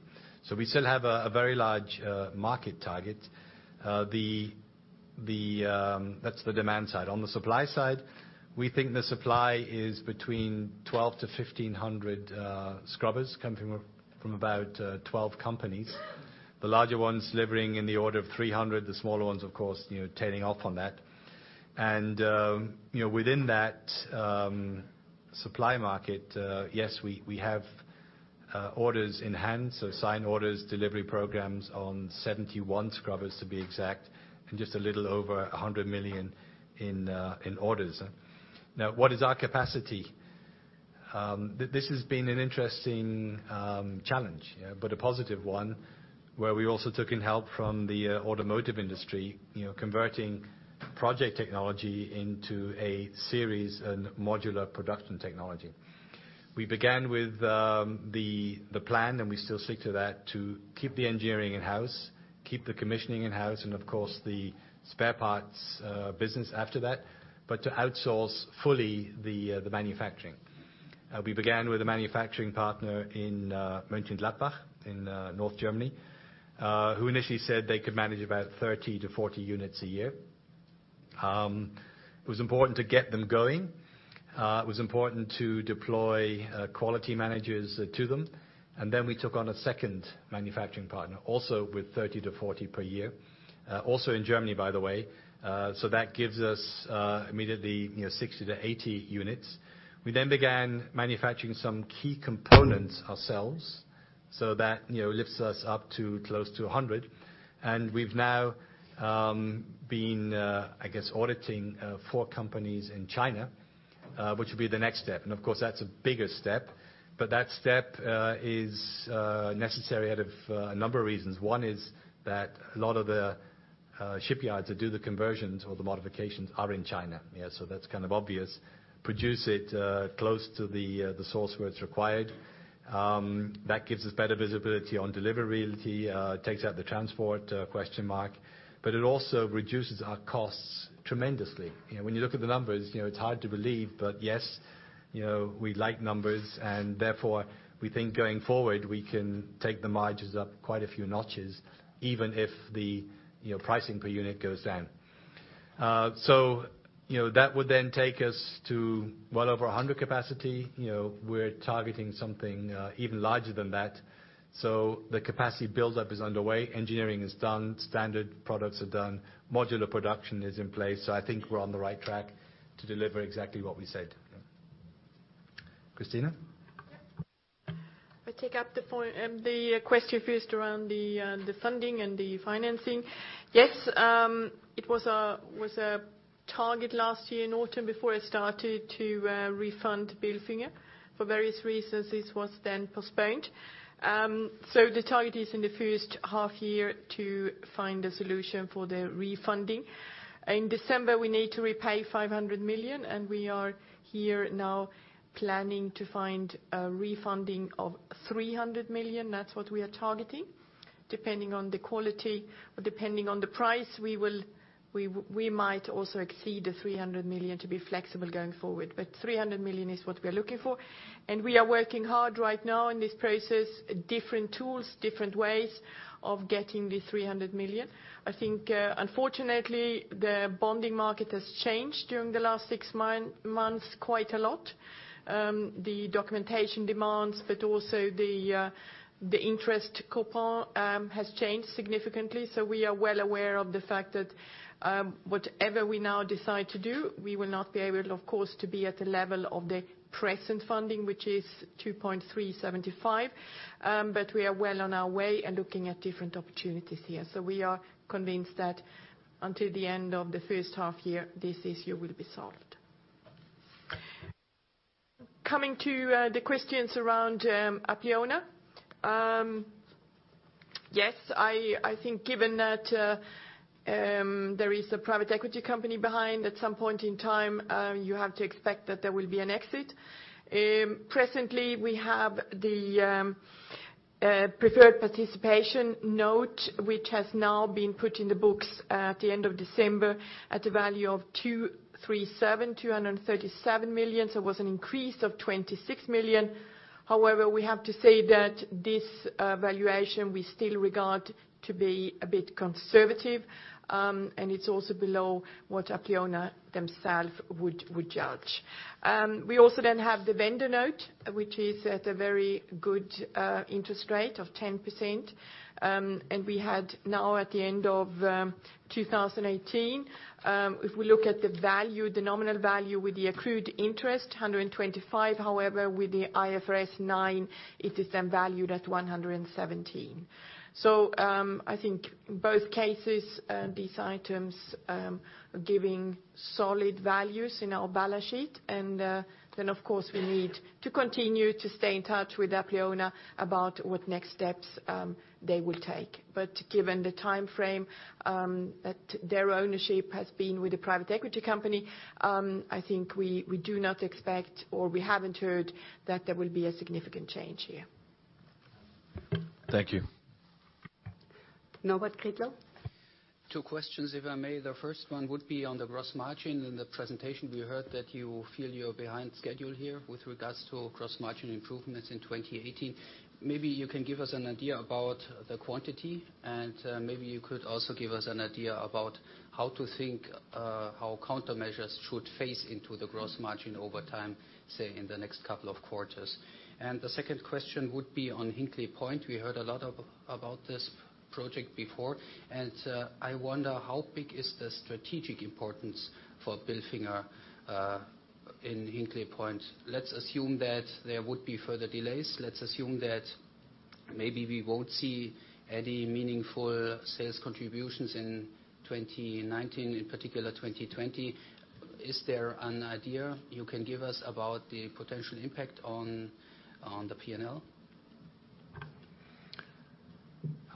We still have a very large market target. That's the demand side. On the supply side, we think the supply is between 1,200 to 1,500 scrubbers coming from about 12 companies. The larger ones delivering in the order of 300. The smaller ones, of course, tailing off on that. Within that supply market, yes, we have orders in hand. Signed orders, delivery programs on 71 scrubbers, to be exact, and just a little over 100 million in orders. What is our capacity? This has been an interesting challenge, but a positive one, where we also took in help from the automotive industry, converting project technology into a series and modular production technology. We began with the plan, and we still stick to that, to keep the engineering in-house, keep the commissioning in-house, and of course, the spare parts business after that, but to outsource fully the manufacturing. We began with a manufacturing partner in Mönchengladbach in North Germany, who initially said they could manage about 30 to 40 units a year. It was important to get them going. It was important to deploy quality managers to them. We took on a second manufacturing partner, also with 30 to 40 per year, also in Germany, by the way. That gives us immediately 60 to 80 units. We then began manufacturing some key components ourselves, that lifts us up to close to 100. We've now been, I guess, auditing four companies in China, which will be the next step. That's a bigger step, but that step is necessary out of a number of reasons. One is that a lot of the shipyards that do the conversions or the modifications are in China. That's kind of obvious. Produce it close to the source where it's required. That gives us better visibility on delivery lead. Takes out the transport question mark. It also reduces our costs tremendously. When you look at the numbers, it's hard to believe, but yes, we like numbers. Therefore, we think going forward, we can take the margins up quite a few notches, even if the pricing per unit goes down. That would then take us to well over 100 capacity. We're targeting something even larger than that. The capacity buildup is underway. Engineering is done, standard products are done, modular production is in place. I think we're on the right track to deliver exactly what we said. Christina? Yeah. I take up the question first around the funding and the financing. Yes, it was a target last year in autumn before I started to refund Bilfinger. For various reasons, this was then postponed. The target is in the first half-year to find a solution for the refunding. In December, we need to repay 500 million. We are here now planning to find a refunding of 300 million. That's what we are targeting. Depending on the quality or depending on the price, we might also exceed 300 million to be flexible going forward. 300 million is what we're looking for. We are working hard right now in this process, different tools, different ways of getting 300 million. I think, unfortunately, the bonding market has changed during the last six months quite a lot. The documentation demands. Also, the interest coupon has changed significantly. We are well aware of the fact that whatever we now decide to do, we will not be able, of course, to be at the level of the present funding, which is 2.375%. We are well on our way and looking at different opportunities here. We are convinced that until the end of the first half-year, this issue will be solved. Coming to the questions around Apleona. Yes, I think given that there is a private equity company behind, at some point in time, you have to expect that there will be an exit. Presently, we have the preferred participation note, which has now been put in the books at the end of December at a value of 237 million. It was an increase of 26 million. However, we have to say that this valuation we still regard to be a bit conservative, and it's also below what Apleona themself would judge. We also then have the vendor note, which is at a very good interest rate of 10%. We had now at the end of 2018, if we look at the value, the nominal value with the accrued interest, 125 million. However, with the IFRS 9, it is then valued at 117 million. I think both cases, these items are giving solid values in our balance sheet. Then of course, we need to continue to stay in touch with Apleona about what next steps they will take. Given the time frame that their ownership has been with a private equity company, I think we do not expect, or we haven't heard that there will be a significant change here. Thank you. Norbert Two questions, if I may. The first one would be on the gross margin. In the presentation, we heard that you feel you're behind schedule here with regards to gross margin improvements in 2018. Maybe you can give us an idea about the quantity, and maybe you could also give us an idea about how to think how countermeasures should face into the gross margin over time, say, in the next couple of quarters. The second question would be on Hinkley Point. We heard a lot about this project before, and I wonder how big is the strategic importance for Bilfinger in Hinkley Point? Let's assume that there would be further delays. Let's assume that maybe we won't see any meaningful sales contributions in 2019, in particular 2020. Is there an idea you can give us about the potential impact on the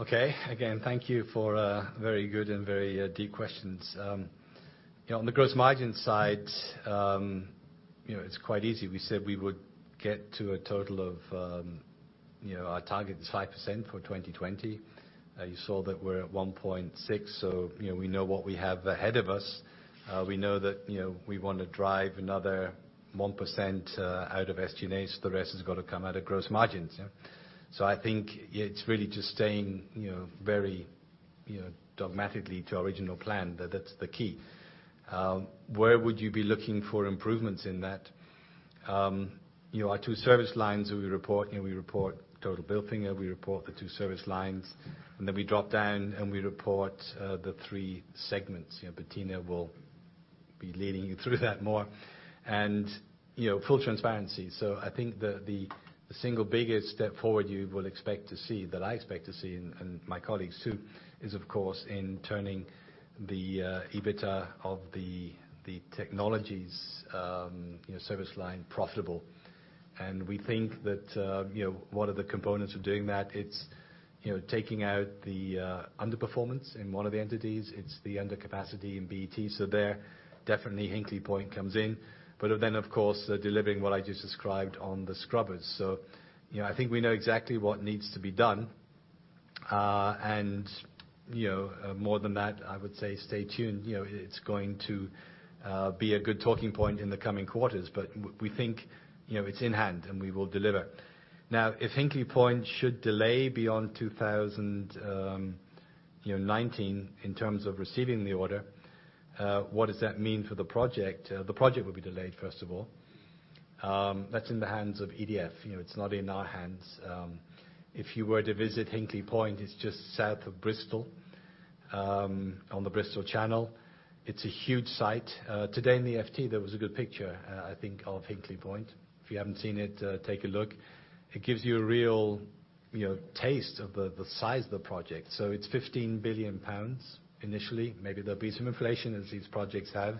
P&L? Again, thank you for very good and very deep questions. On the gross margin side, it's quite easy. We said we would get to a total of our target is 5% for 2020. You saw that we're at 1.6, so we know what we have ahead of us. We know that we want to drive another 1% out of SG&A. The rest has got to come out of gross margins. I think it's really just staying very dogmatically to our original plan. That's the key. Where would you be looking for improvements in that? Our two service lines, we report total Bilfinger, we report the two service lines, and then we drop down and we report the three segments. Bettina will be leading you through that more and full transparency. I think the single biggest step forward you will expect to see, that I expect to see, and my colleagues too, is, of course, in turning the EBITDA of the technologies service line profitable. We think that one of the components of doing that, it's taking out the underperformance in one of the entities. It's the under capacity in E&T. There, definitely Hinkley Point comes in. Then, of course, delivering what I just described on the scrubbers. I think we know exactly what needs to be done. More than that, I would say stay tuned. It's going to be a good talking point in the coming quarters. We think it's in hand and we will deliver. Now, if Hinkley Point should delay beyond 2019 in terms of receiving the order, what does that mean for the project? The project will be delayed, first of all. That's in the hands of EDF. It's not in our hands. If you were to visit Hinkley Point, it's just south of Bristol, on the Bristol Channel. It's a huge site. Today in the Financial Times, there was a good picture, I think, of Hinkley Point. If you haven't seen it, take a look. It gives you a real taste of the size of the project. It's 15 billion pounds initially. Maybe there'll be some inflation as these projects have.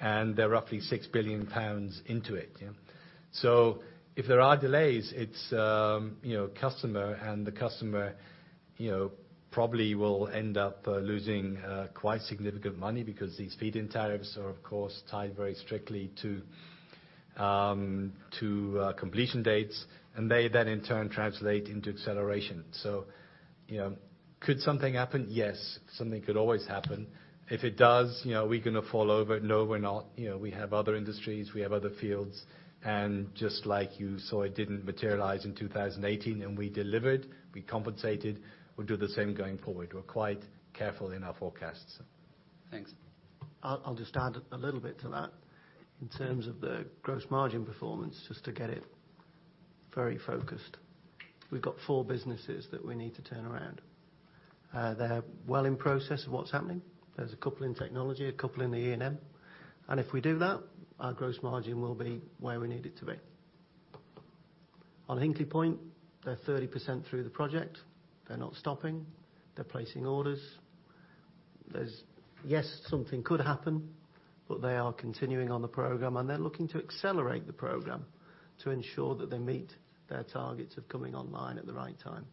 They're roughly 6 billion pounds into it. If there are delays, it's customer and the customer probably will end up losing quite significant money because these feed-in tariffs are, of course, tied very strictly to completion dates, and they then in turn translate into acceleration. Could something happen? Yes. Something could always happen. If it does, are we going to fall over? No, we're not. We have other industries, we have other fields. Just like you saw, it didn't materialize in 2018, and we delivered, we compensated. We'll do the same going forward. We're quite careful in our forecasts. Thanks. I'll just add a little bit to that. In terms of the gross margin performance, just to get it very focused, we've got four businesses that we need to turn around. They're well in process of what's happening. There's a couple in technology, a couple in the E&M. If we do that, our gross margin will be where we need it to be. On Hinkley Point, they're 30% through the project. They're not stopping. They're placing orders. Yes, something could happen, they are continuing on the program, and they're looking to accelerate the program to ensure that they meet their targets of coming online at the right time.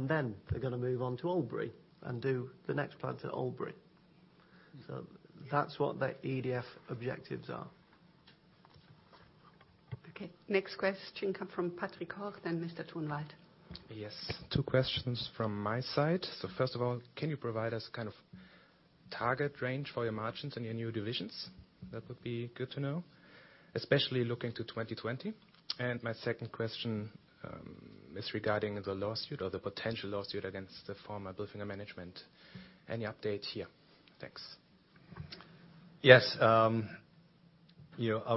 Then they're going to move on to Oldbury and do the next plant at Oldbury. That's what the EDF objectives are. Okay. Next question come from Patrick Hoch, then Mr. Tornwald. Yes. Two questions from my side. First of all, can you provide us target range for your margins in your new divisions? That would be good to know, especially looking to 2020. My second question is regarding the lawsuit or the potential lawsuit against the former Bilfinger management. Any update here? Thanks. Yes. Our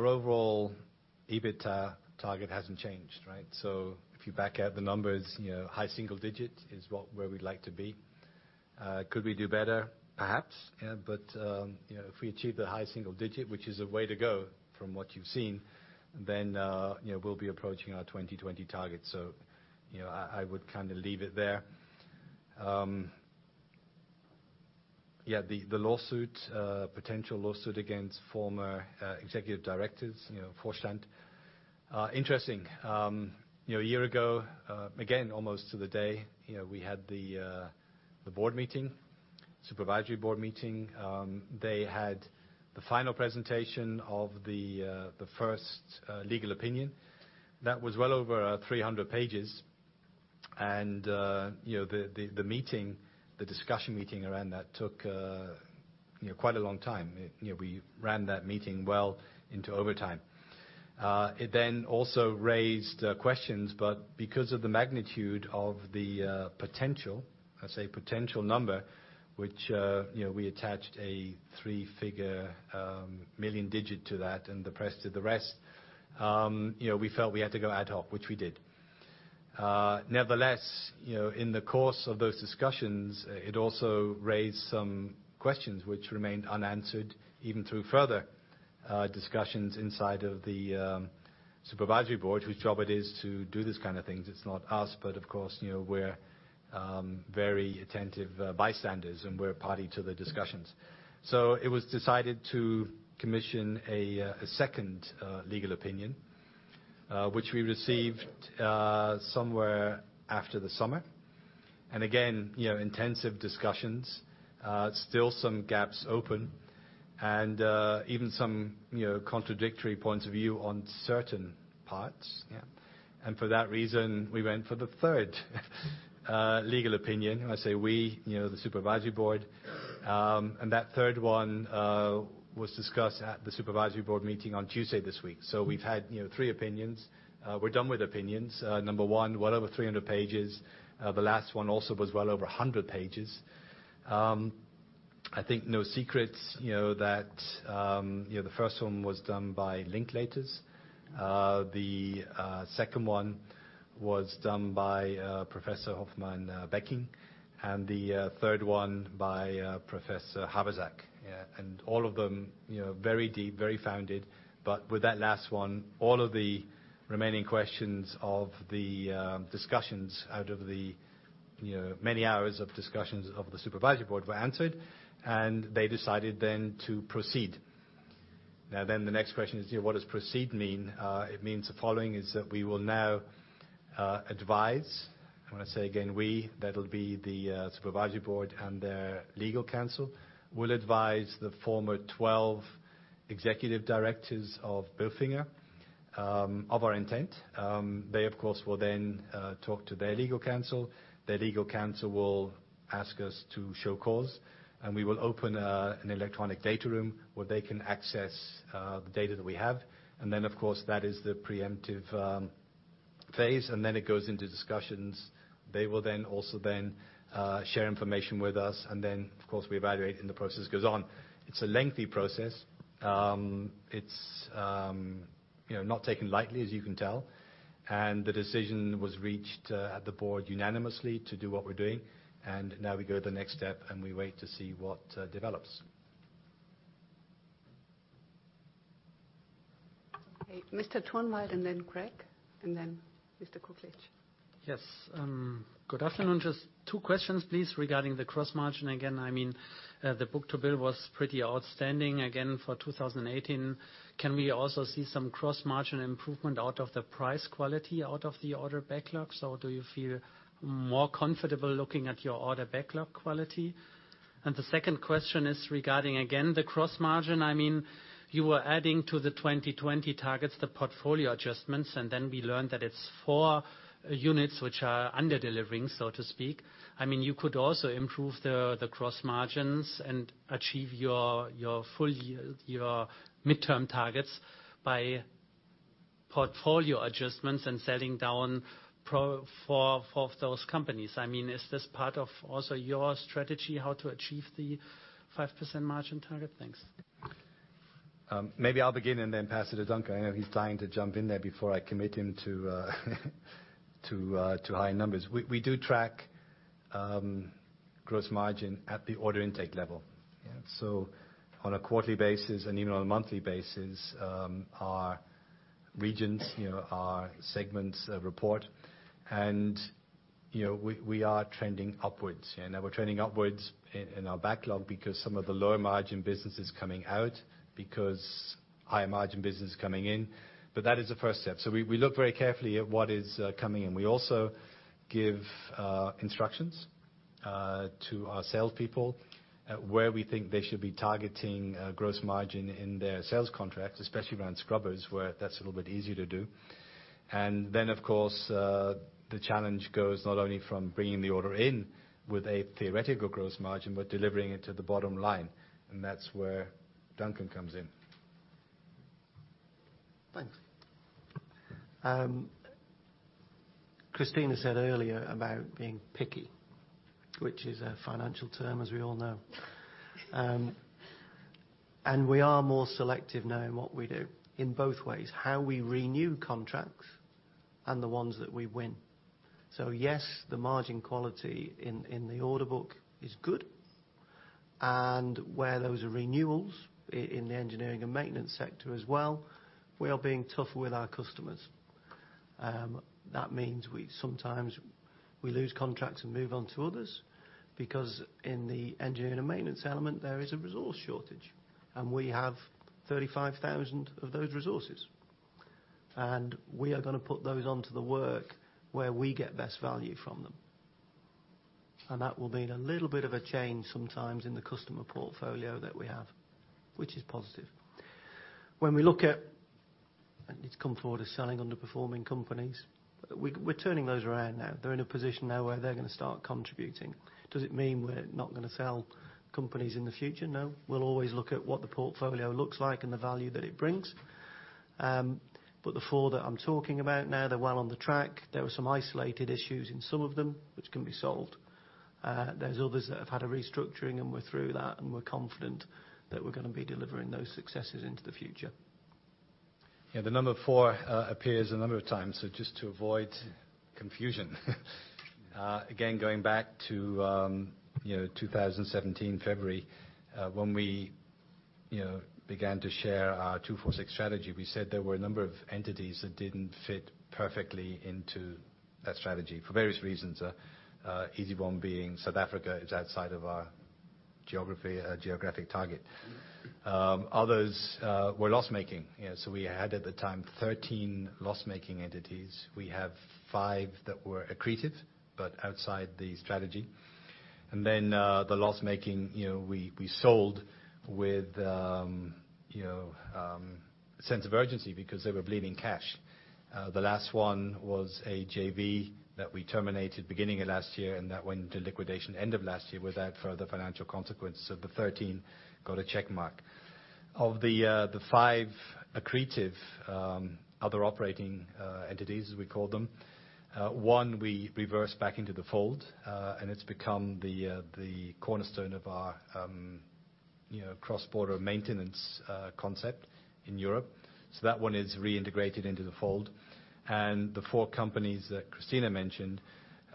overall EBITDA target hasn't changed, right? If you back out the numbers, high single digit is where we'd like to be. Could we do better? Perhaps. If we achieve the high single digit, which is a way to go from what you've seen, then we'll be approaching our 2020 target. I would leave it there. The lawsuit, potential lawsuit against former executive directors, Vorstand. Interesting. A year ago, again, almost to the day, we had the board meeting, supervisory board meeting. They had the final presentation of the first legal opinion. That was well over 300 pages. The meeting, the discussion meeting around that took quite a long time. We ran that meeting well into overtime. It also raised questions, because of the magnitude of the potential, I'd say potential number, which we attached a three figure million digit to that, and the press did the rest, we felt we had to go ad hoc, which we did. Nevertheless, in the course of those discussions, it also raised some questions which remained unanswered even through further discussions inside of the supervisory board, whose job it is to do these kind of things. It's not us, but of course, we're very attentive bystanders, and we're a party to the discussions. It was decided to commission a second legal opinion, which we received somewhere after the summer. Again, intensive discussions, still some gaps open, and even some contradictory points of view on certain parts. Yeah. For that reason, we went for the third legal opinion. When I say we, the supervisory board. That third one was discussed at the supervisory board meeting on Tuesday this week. We've had three opinions. We're done with opinions. Number 1, well over 300 pages. The last one also was well over 100 pages. I think no secrets, that the first one was done by Linklaters. The second one was done by Professor Hoffmann-Becking, and the third one by Professor Habersack. Yeah. All of them very deep, very founded, with that last one, all of the remaining questions of the discussions out of the many hours of discussions of the supervisory board were answered, and they decided then to proceed. The next question is, what does proceed mean? It means the following, is that we will now advise, I want to say again we, that will be the supervisory board and their legal counsel, will advise the former 12 executive directors of Bilfinger of our intent. They, of course, will then talk to their legal counsel. Their legal counsel will ask us to show cause, we will open an electronic data room where they can access the data that we have. Then, of course, that is the preemptive phase, then it goes into discussions. They will then also then share information with us, then, of course, we evaluate, the process goes on. It is a lengthy process. It is not taken lightly, as you can tell. The decision was reached at the board unanimously to do what we are doing. Now we go to the next step, we wait to see what develops. Okay. Mr. Tornwald, then Greg, then Mr. Kuglitsch. Yes. Good afternoon. Just two questions, please, regarding the cross-margin again. The book-to-bill was pretty outstanding again for 2018. Can we also see some cross-margin improvement out of the price quality out of the order backlogs, or do you feel more comfortable looking at your order backlog quality? The second question is regarding, again, the cross-margin. You were adding to the 2020 targets, the portfolio adjustments, then we learned that it is 4 units which are under-delivering, so to speak. You could also improve the cross-margins and achieve your midterm targets by portfolio adjustments and selling down four of those companies. Is this part of also your strategy how to achieve the 5% margin target? Thanks. Maybe I will begin, then pass it to Duncan. I know he is dying to jump in there before I commit him to higher numbers. We do track gross margin at the order intake level. Yeah. On a quarterly basis and even on a monthly basis, our regions, our segments report, we are trending upwards. We are trending upwards in our backlog because some of the lower margin business is coming out because higher margin business is coming in. That is the first step. We look very carefully at what is coming in. We also give instructions to our salespeople at where we think they should be targeting gross margin in their sales contracts, especially around scrubbers, where that is a little bit easier to do. Of course, the challenge goes not only from bringing the order in with a theoretical gross margin, but delivering it to the bottom line. That's where Duncan comes in. Thanks. Christina said earlier about being picky, which is a financial term as we all know. We are more selective now in what we do, in both ways, how we renew contracts and the ones that we win. Yes, the margin quality in the order book is good, and where those are renewals, in the engineering and maintenance sector as well, we are being tougher with our customers. That means sometimes we lose contracts and move on to others because in the engineering and maintenance element, there is a resource shortage. We have 35,000 of those resources. We are going to put those onto the work where we get best value from them. That will mean a little bit of a change sometimes in the customer portfolio that we have, which is positive. When we look at, it's come forward as selling underperforming companies, we're turning those around now. They're in a position now where they're going to start contributing. Does it mean we're not going to sell companies in the future? No. We'll always look at what the portfolio looks like and the value that it brings. The four that I'm talking about now, they're well on the track. There were some isolated issues in some of them, which can be solved. There's others that have had a restructuring, and we're through that, and we're confident that we're going to be delivering those successes into the future. The number four appears a number of times, just to avoid confusion. Again, going back to 2017, February, when we began to share our 2-4-6 strategy, we said there were a number of entities that didn't fit perfectly into that strategy for various reasons. Easybone being South Africa is outside of our geographic target. Others were loss-making. We had, at the time, 13 loss-making entities. We have five that were accretive but outside the strategy. The loss-making, we sold with sense of urgency because they were bleeding cash. The last one was a JV that we terminated beginning of last year, and that went into liquidation end of last year without further financial consequence. The 13 got a check mark. Of the five accretive other operating entities, as we call them, one we reversed back into the fold, it's become the cornerstone of our cross-border maintenance concept in Europe. That one is reintegrated into the fold. The four companies that Christina mentioned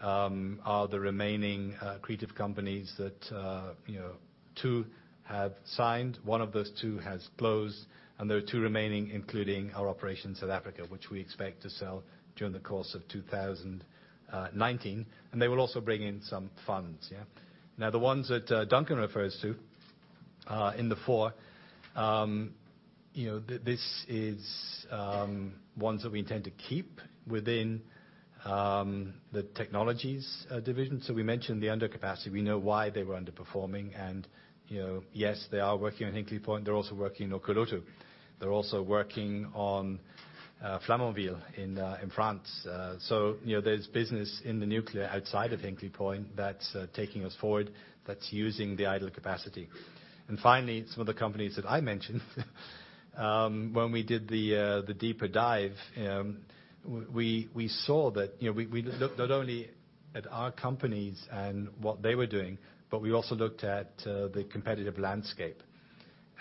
are the remaining accretive companies that two have signed, one of those two has closed, there are two remaining, including our operations South Africa, which we expect to sell during the course of 2019. They will also bring in some funds, yeah. The ones that Duncan refers to, in the four, this is ones that we intend to keep within the technologies division. We mentioned the under capacity. We know why they were underperforming, yes, they are working on Hinkley Point. They're also working Olkiluoto. They're also working on Flamanville in France. There's business in the nuclear outside of Hinkley Point that's taking us forward, that's using the idle capacity. Finally, some of the companies that I mentioned when we did the deeper dive, we looked not only at our companies and what they were doing, we also looked at the competitive landscape.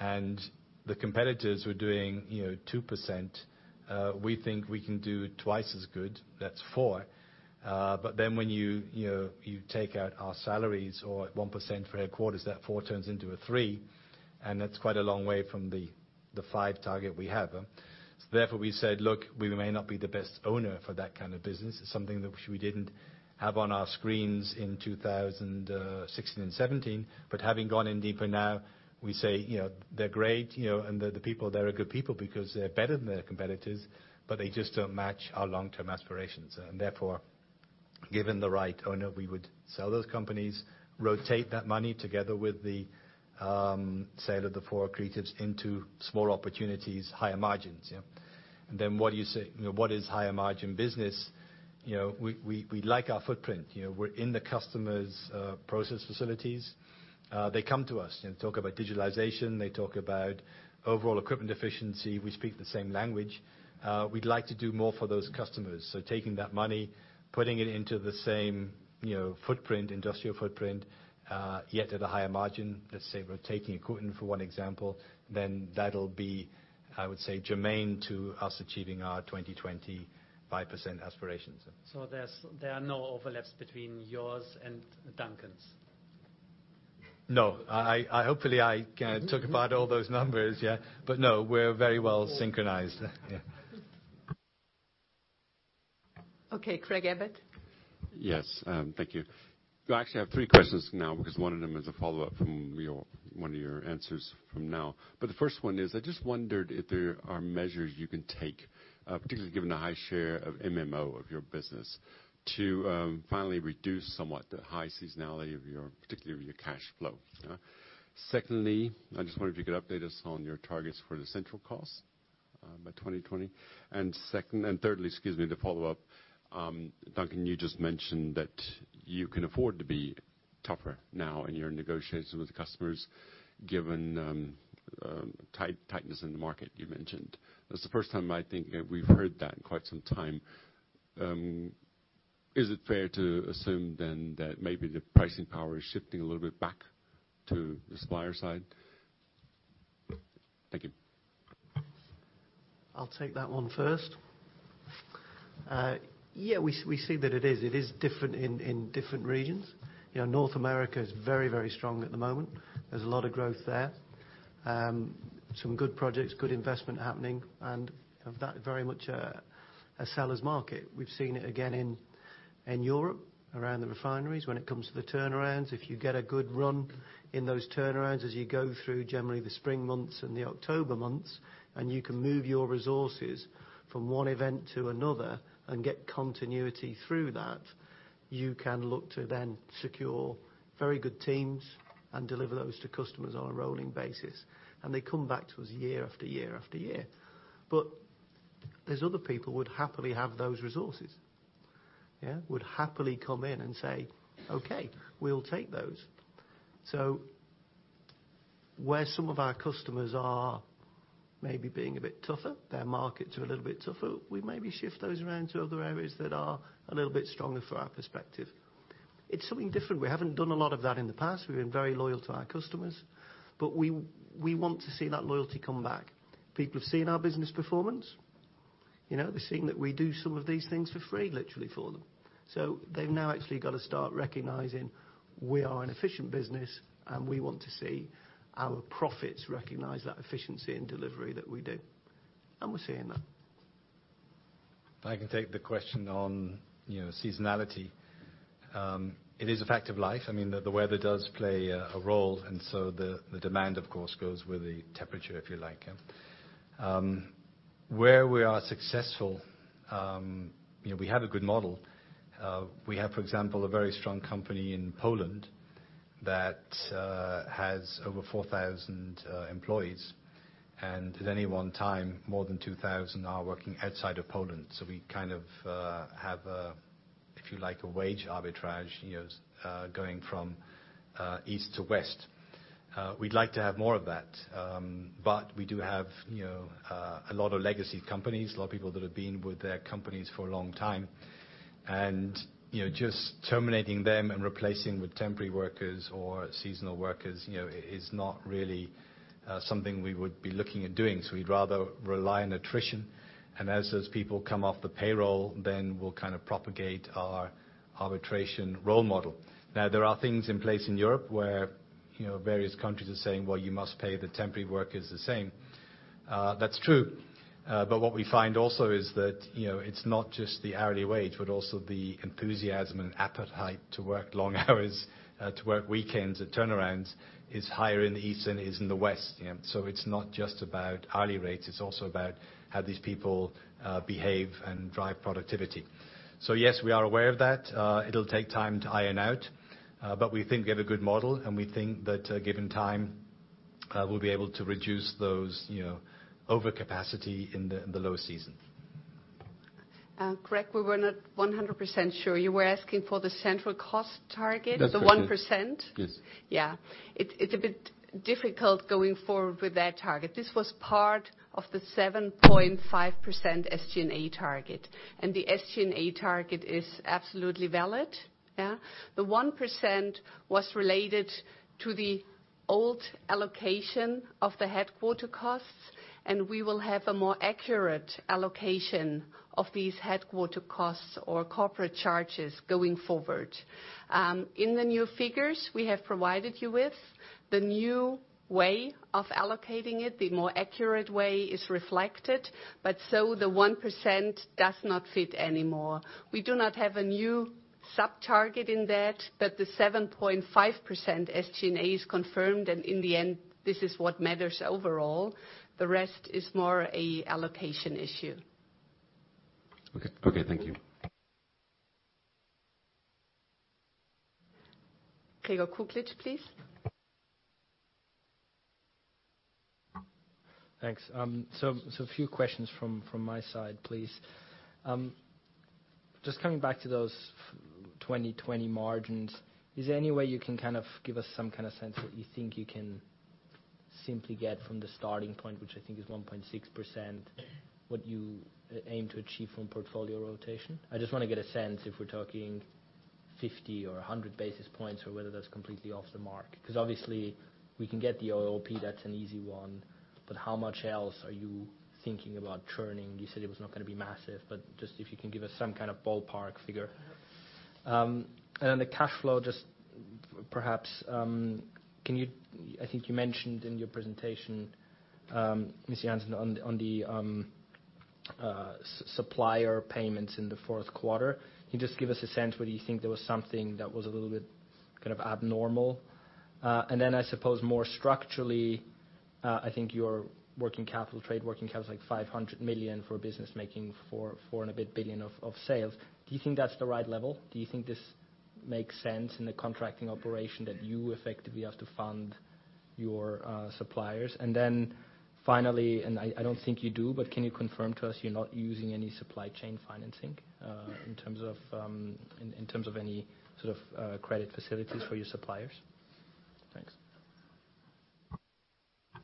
The competitors were doing 2%. We think we can do twice as good. That's four. When you take out our salaries or 1% for headquarters, that four turns into a three, that's quite a long way from the five target we have. Therefore we said, "Look, we may not be the best owner for that kind of business." It's something which we didn't have on our screens in 2016 and 2017, having gone in deeper now, we say, they're great, the people there are good people because they're better than their competitors, they just don't match our long-term aspirations. Therefore, given the right owner, we would sell those companies, rotate that money together with the sale of the four accretives into small opportunities, higher margins. What is higher margin business? We like our footprint. We're in the customers' process facilities. They come to us and talk about digitalization. They talk about overall equipment efficiency. We speak the same language. We'd like to do more for those customers. Taking that money, putting it into the same industrial footprint, yet at a higher margin, let's say we're taking Equinor for one example, then that'll be, I would say, germane to us achieving our 2020 5% aspirations. There are no overlaps between yours and Duncan's? No. Hopefully, I took about all those numbers. No, we're very well synchronized. Okay. Craig Abbott. Yes. Thank you. I actually have three questions now because one of them is a follow-up from one of your answers from now. The first one is, I just wondered if there are measures you can take, particularly given the high share of MMO of your business, to finally reduce somewhat the high seasonality, particularly of your cash flow. Secondly, I just wonder if you could update us on your targets for the central costs by 2020. Thirdly, the follow-up, Duncan, you just mentioned that you can afford to be tougher now in your negotiations with the customers given tightness in the market you mentioned. That's the first time I think we've heard that in quite some time. Is it fair to assume then that maybe the pricing power is shifting a little bit back to the supplier side? Thank you. I'll take that one first. Yeah, we see that it is different in different regions. North America is very strong at the moment. There's a lot of growth there. Some good projects, good investment happening, and of that, very much a seller's market. We've seen it again in Europe around the refineries. When it comes to the turnarounds, if you get a good run in those turnarounds as you go through generally the spring months and the October months, and you can move your resources from one event to another and get continuity through that, you can look to then secure very good teams and deliver those to customers on a rolling basis. They come back to us year after year after year. There's other people who would happily have those resources. Would happily come in and say, "Okay, we'll take those." Where some of our customers are maybe being a bit tougher, their markets are a little bit tougher, we maybe shift those around to other areas that are a little bit stronger for our perspective. It's something different. We haven't done a lot of that in the past. We've been very loyal to our customers, we want to see that loyalty come back. People have seen our business performance. They're seeing that we do some of these things for free, literally for them. They've now actually got to start recognizing we are an efficient business, we want to see our profits recognize that efficiency and delivery that we do, we're seeing that. I can take the question on seasonality. It is a fact of life. The weather does play a role, the demand, of course, goes with the temperature, if you like. Where we are successful, we have a good model. We have, for example, a very strong company in Poland that has over 4,000 employees, and at any one time, more than 2,000 are working outside of Poland. We kind of have a, if you like, a wage arbitrage, going from east to west. We'd like to have more of that. We do have a lot of legacy companies, a lot of people that have been with their companies for a long time, and just terminating them and replacing with temporary workers or seasonal workers is not really something we would be looking at doing. We'd rather rely on attrition, as those people come off the payroll, we'll propagate our arbitration role model. Now, there are things in place in Europe where various countries are saying, "Well, you must pay the temporary workers the same." That's true. What we find also is that it's not just the hourly wage, but also the enthusiasm and appetite to work long hours, to work weekends and turnarounds, is higher in the East than it is in the West. It's not just about hourly rates, it's also about how these people behave and drive productivity. Yes, we are aware of that. It'll take time to iron out. We think we have a good model, we think that given time, we'll be able to reduce those overcapacity in the lower season. Greg, we were not 100% sure. You were asking for the central cost target? That's it, yeah. The 1%? Yes. Yeah. It's a bit difficult going forward with that target. This was part of the 7.5% SG&A target, and the SG&A target is absolutely valid. Yeah. The 1% was related to the old allocation of the headquarter costs, and we will have a more accurate allocation of these headquarter costs or corporate charges going forward. In the new figures we have provided you with, the new way of allocating it, the more accurate way is reflected, but so the 1% does not fit anymore. We do not have a new subtarget in that, but the 7.5% SG&A is confirmed, and in the end, this is what matters overall. The rest is more a allocation issue. Okay. Thank you. Gregor Kuglitsch, please. Thanks. A few questions from my side, please. Just coming back to those 2020 margins, is there any way you can give us some kind of sense what you think you can simply get from the starting point, which I think is 1.6%, what you aim to achieve from portfolio rotation? I just want to get a sense if we're talking 50 or 100 basis points or whether that's completely off the mark. Because obviously we can get the OOP, that's an easy one. But how much else are you thinking about churning? You said it was not going to be massive, but just if you can give us some kind of ballpark figure. The cash flow, just perhaps, I think you mentioned in your presentation, Ms. Johansson, on the supplier payments in the fourth quarter. Can you just give us a sense whether you think there was something that was a little bit abnormal? I suppose more structurally, I think your working capital trade, working capital is like 500 million for a business making 4 and a bit billion of sales. Do you think that's the right level? Do you think this makes sense in the contracting operation that you effectively have to fund your suppliers? Finally, and I don't think you do, but can you confirm to us you're not using any supply chain financing in terms of any sort of credit facilities for your suppliers? Thanks.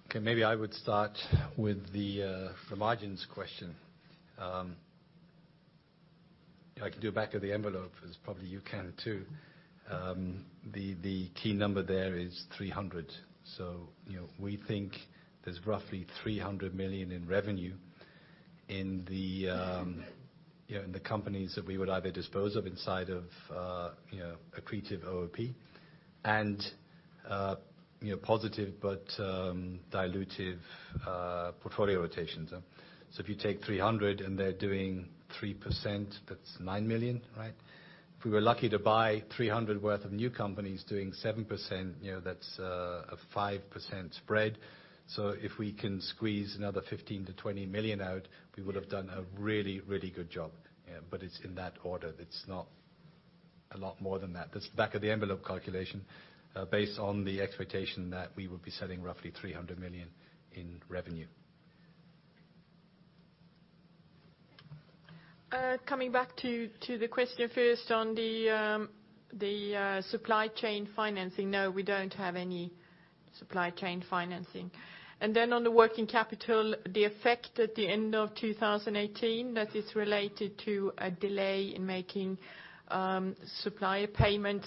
Okay, maybe I would start with the margins question. I can do back of the envelope as probably you can, too. The key number there is 300. We think there's roughly 300 million in revenue in the companies that we would either dispose of inside of accretive OOP and positive but dilutive portfolio rotations. If you take 300 and they're doing 3%, that's 9 million. Right? If we were lucky to buy 300 worth of new companies doing 7%, that's a 5% spread. If we can squeeze another 15 million-20 million out, we would have done a really, really good job. It's in that order. It's not a lot more than that. That's back of the envelope calculation, based on the expectation that we would be selling roughly 300 million in revenue. Coming back to the question first on the supply chain financing, no, we don't have any supply chain financing. On the working capital, the effect at the end of 2018, that is related to a delay in making supplier payments.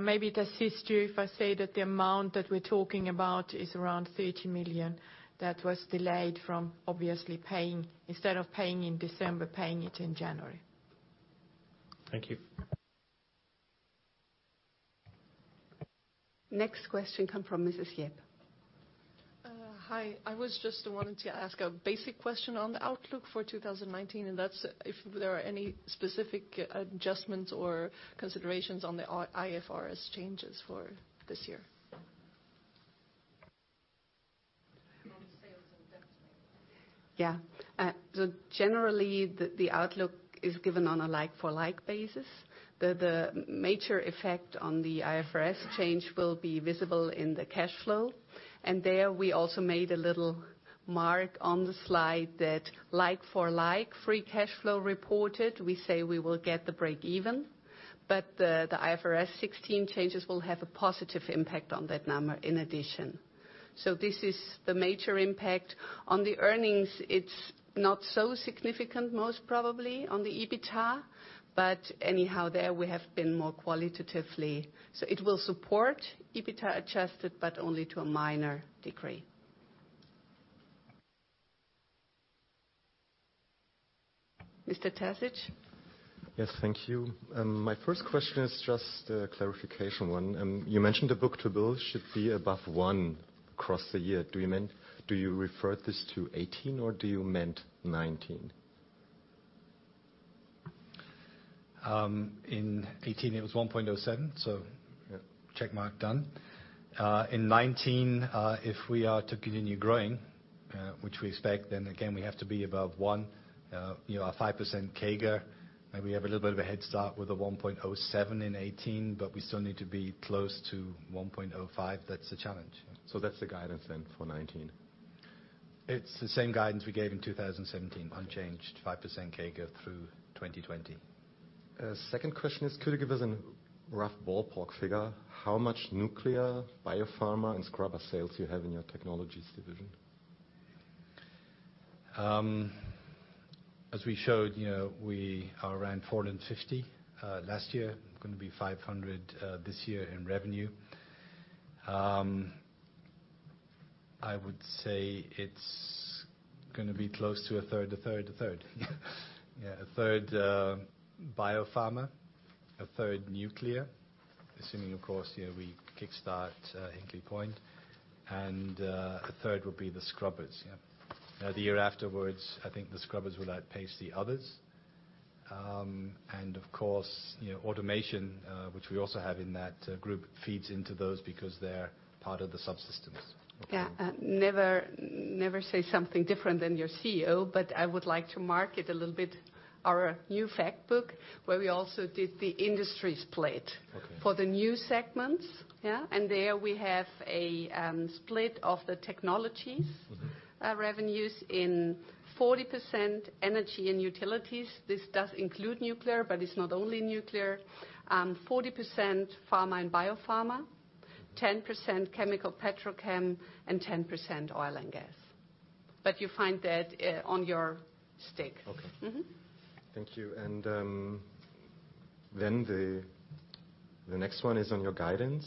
Maybe it assists you if I say that the amount that we're talking about is around 30 million that was delayed from, obviously, instead of paying in December, paying it in January. Thank you. Next question come from Mrs. Yip. Hi. I was just wanting to ask a basic question on the outlook for 2019, and that's if there are any specific adjustments or considerations on the IFRS changes for this year. Generally the outlook is giving on a like-for-like basis, the nature effect on the IFRS change will be visible in the cashflow. And there we also made a little mark on the slide that like for like free cash flow reported. We say we will get the break-even but the IFRS 16 changes will have a positive impact on that number in addition. This is the major impact on the earnings, its not so significant, most probably on the EBITDA, but anyhow there. We have been more qualitatively, so it will support EBITDA adjusted but only to a minor degree Mr Tasse. Yes. Thank you. My first question is just a clarification one. You mentioned the book-to-bill should be above one across the year. Do you refer this to 2018 or do you meant 2019? In 2018, it was 1.07, check mark done. In 2019, if we are to continue growing, which we expect, again, we have to be above one. Our 5% CAGR, we have a little bit of a head start with a 1.07 in 2018, but we still need to be close to 1.05. That's the challenge. That's the guidance then for 2019? It's the same guidance we gave in 2017, unchanged, 5% CAGR through 2020. Second question is, could you give us a rough ballpark figure how much nuclear, biopharma, and scrubber sales you have in your technologies division? As we showed, we are around 450 last year. Going to be 500 this year in revenue. I would say it's going to be close to a third, a third, a third. Yeah. A third biopharma, a third nuclear, assuming of course, we kick start Hinkley Point, a third will be the scrubbers. The year afterwards, I think the scrubbers will outpace the others. Of course, automation, which we also have in that group, feeds into those because they're part of the subsystems. Yeah. Never say something different than your CEO, I would like to market a little bit our new fact book, where we also did the industries plate. For the new segments. There we have a split of the technologies revenues. In 40% energy and utilities. This does include nuclear, but it is not only nuclear. 40% pharma and biopharma. 10% chemical/petrochem, 10% oil and gas. You find that on your stick. Thank you. The next one is on your guidance.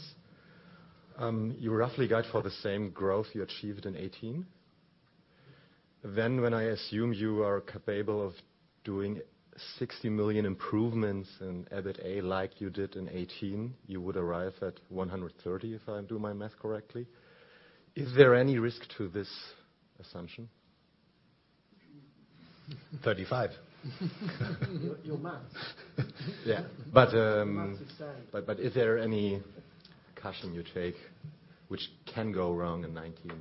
You roughly guide for the same growth you achieved in 2018. When I assume you are capable of doing 60 million improvements in EBITA like you did in 2018, you would arrive at 130 million, if I do my math correctly. Is there any risk to this assumption? 35. Your math. Yeah. Your math is saying. Is there any caution you take which can go wrong in 2019?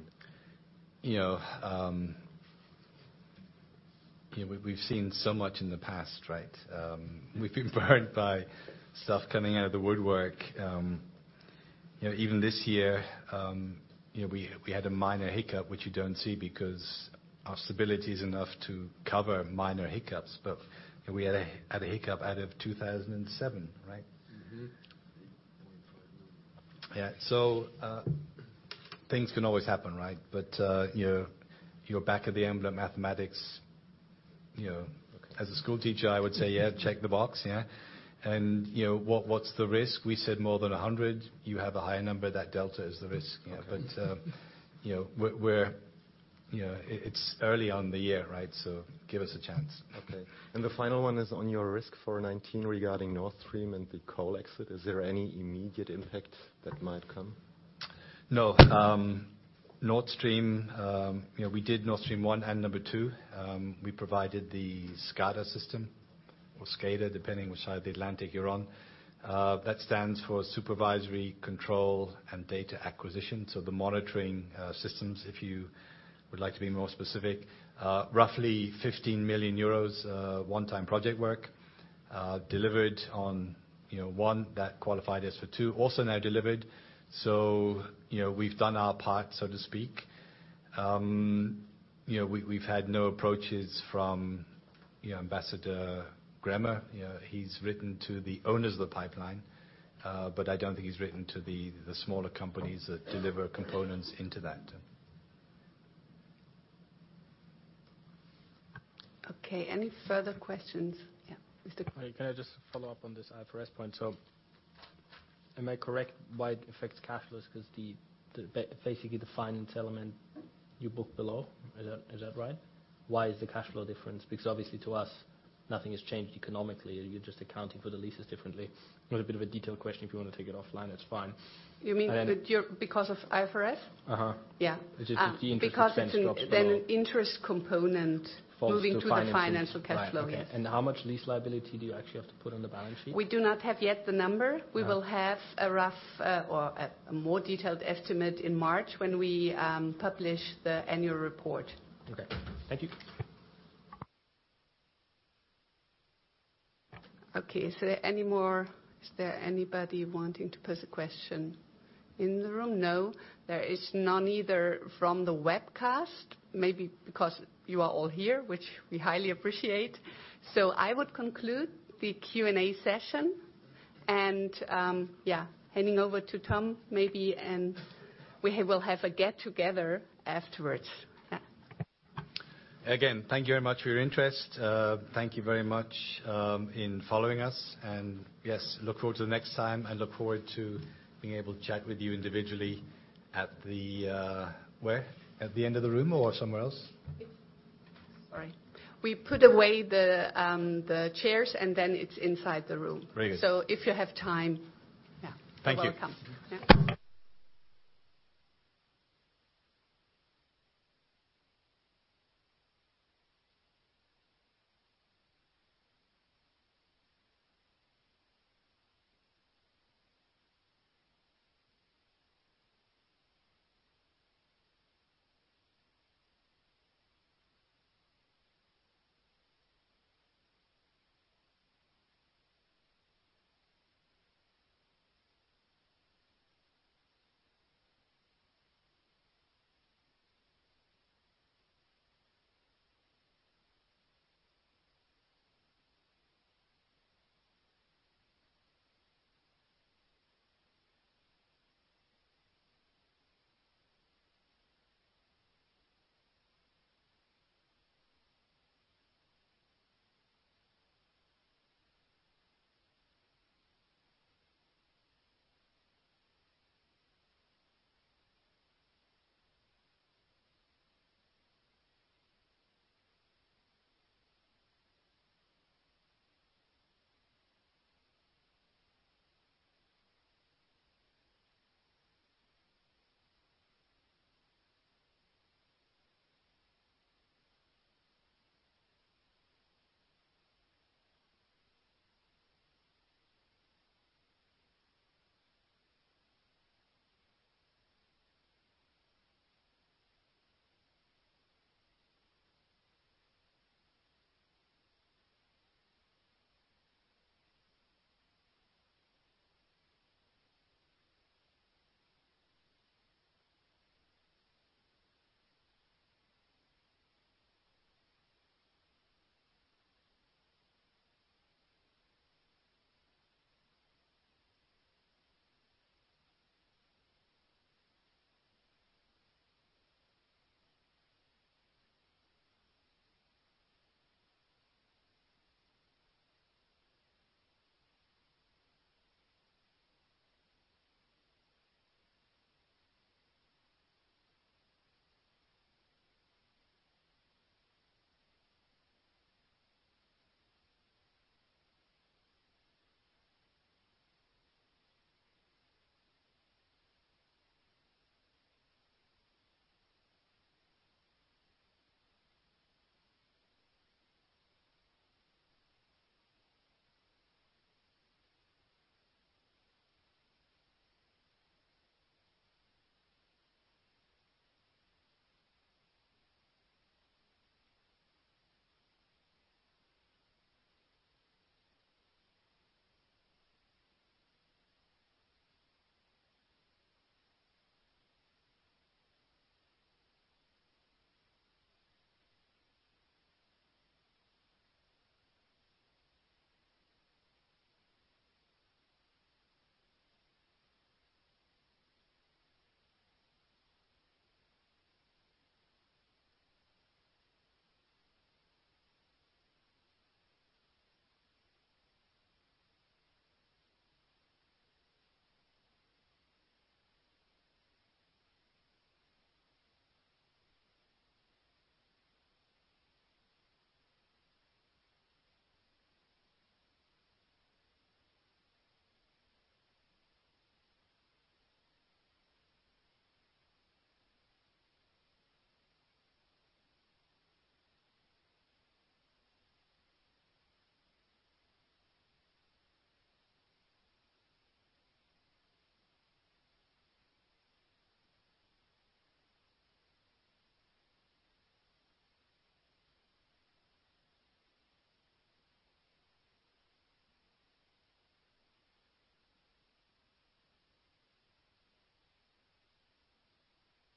We've seen so much in the past, right? We've been burned by stuff coming out of the woodwork. Even this year, we had a minor hiccup, which you don't see because our stability is enough to cover minor hiccups. We had a hiccup out of 2007, right Things can always happen, right? Your back of the envelope mathematics. As a school teacher, I would say, check the box. What's the risk? We said more than 100. You have a higher number. That delta is the risk. Okay. It's early on in the year, give us a chance. Okay. The final one is on your risk for 2019 regarding Nord Stream and the coal exit. Is there any immediate impact that might come? No. Nord Stream. We did Nord Stream I and number II. We provided the SCADA system, or SCADA, depending which side of the Atlantic you're on. That stands for supervisory control and data acquisition, the monitoring systems, if you would like to be more specific. Roughly 15 million euros one-time project work. Delivered on one. That qualified us for two. Also now delivered. We've done our part, so to speak. We've had no approaches from Ambassador Grenell. He's written to the owners of the pipeline, I don't think he's written to the smaller companies that deliver components into that. Okay. Any further questions? Yeah. Can I just follow up on this IFRS point? Am I correct why it affects cash flows? Basically the finance element you book below, is that right? Why is the cash flow different? Obviously to us, nothing has changed economically. You're just accounting for the leases differently. A little bit of a detailed question. If you want to take it offline, that's fine. You mean because of IFRS? Yeah. It's just the interest expense drops below. It's an interest component moving to the financial cash flow. Yes. How much lease liability do you actually have to put on the balance sheet? We do not have yet the number. We will have a more detailed estimate in March when we publish the annual report. Okay. Thank you. Okay. Is there anybody wanting to pose a question in the room? No. There is none either from the webcast, maybe because you are all here, which we highly appreciate. I would conclude the Q&A session and, yeah, handing over to Tom, maybe, and we will have a get-together afterwards. Yeah. Again, thank you very much for your interest. Thank you very much in following us. Yes, look forward to the next time, and look forward to being able to chat with you individually at the end of the room or somewhere else? Sorry. We put away the chairs, and then it's inside the room. Very good. if you have time, yeah. Thank you. You're welcome. Yeah.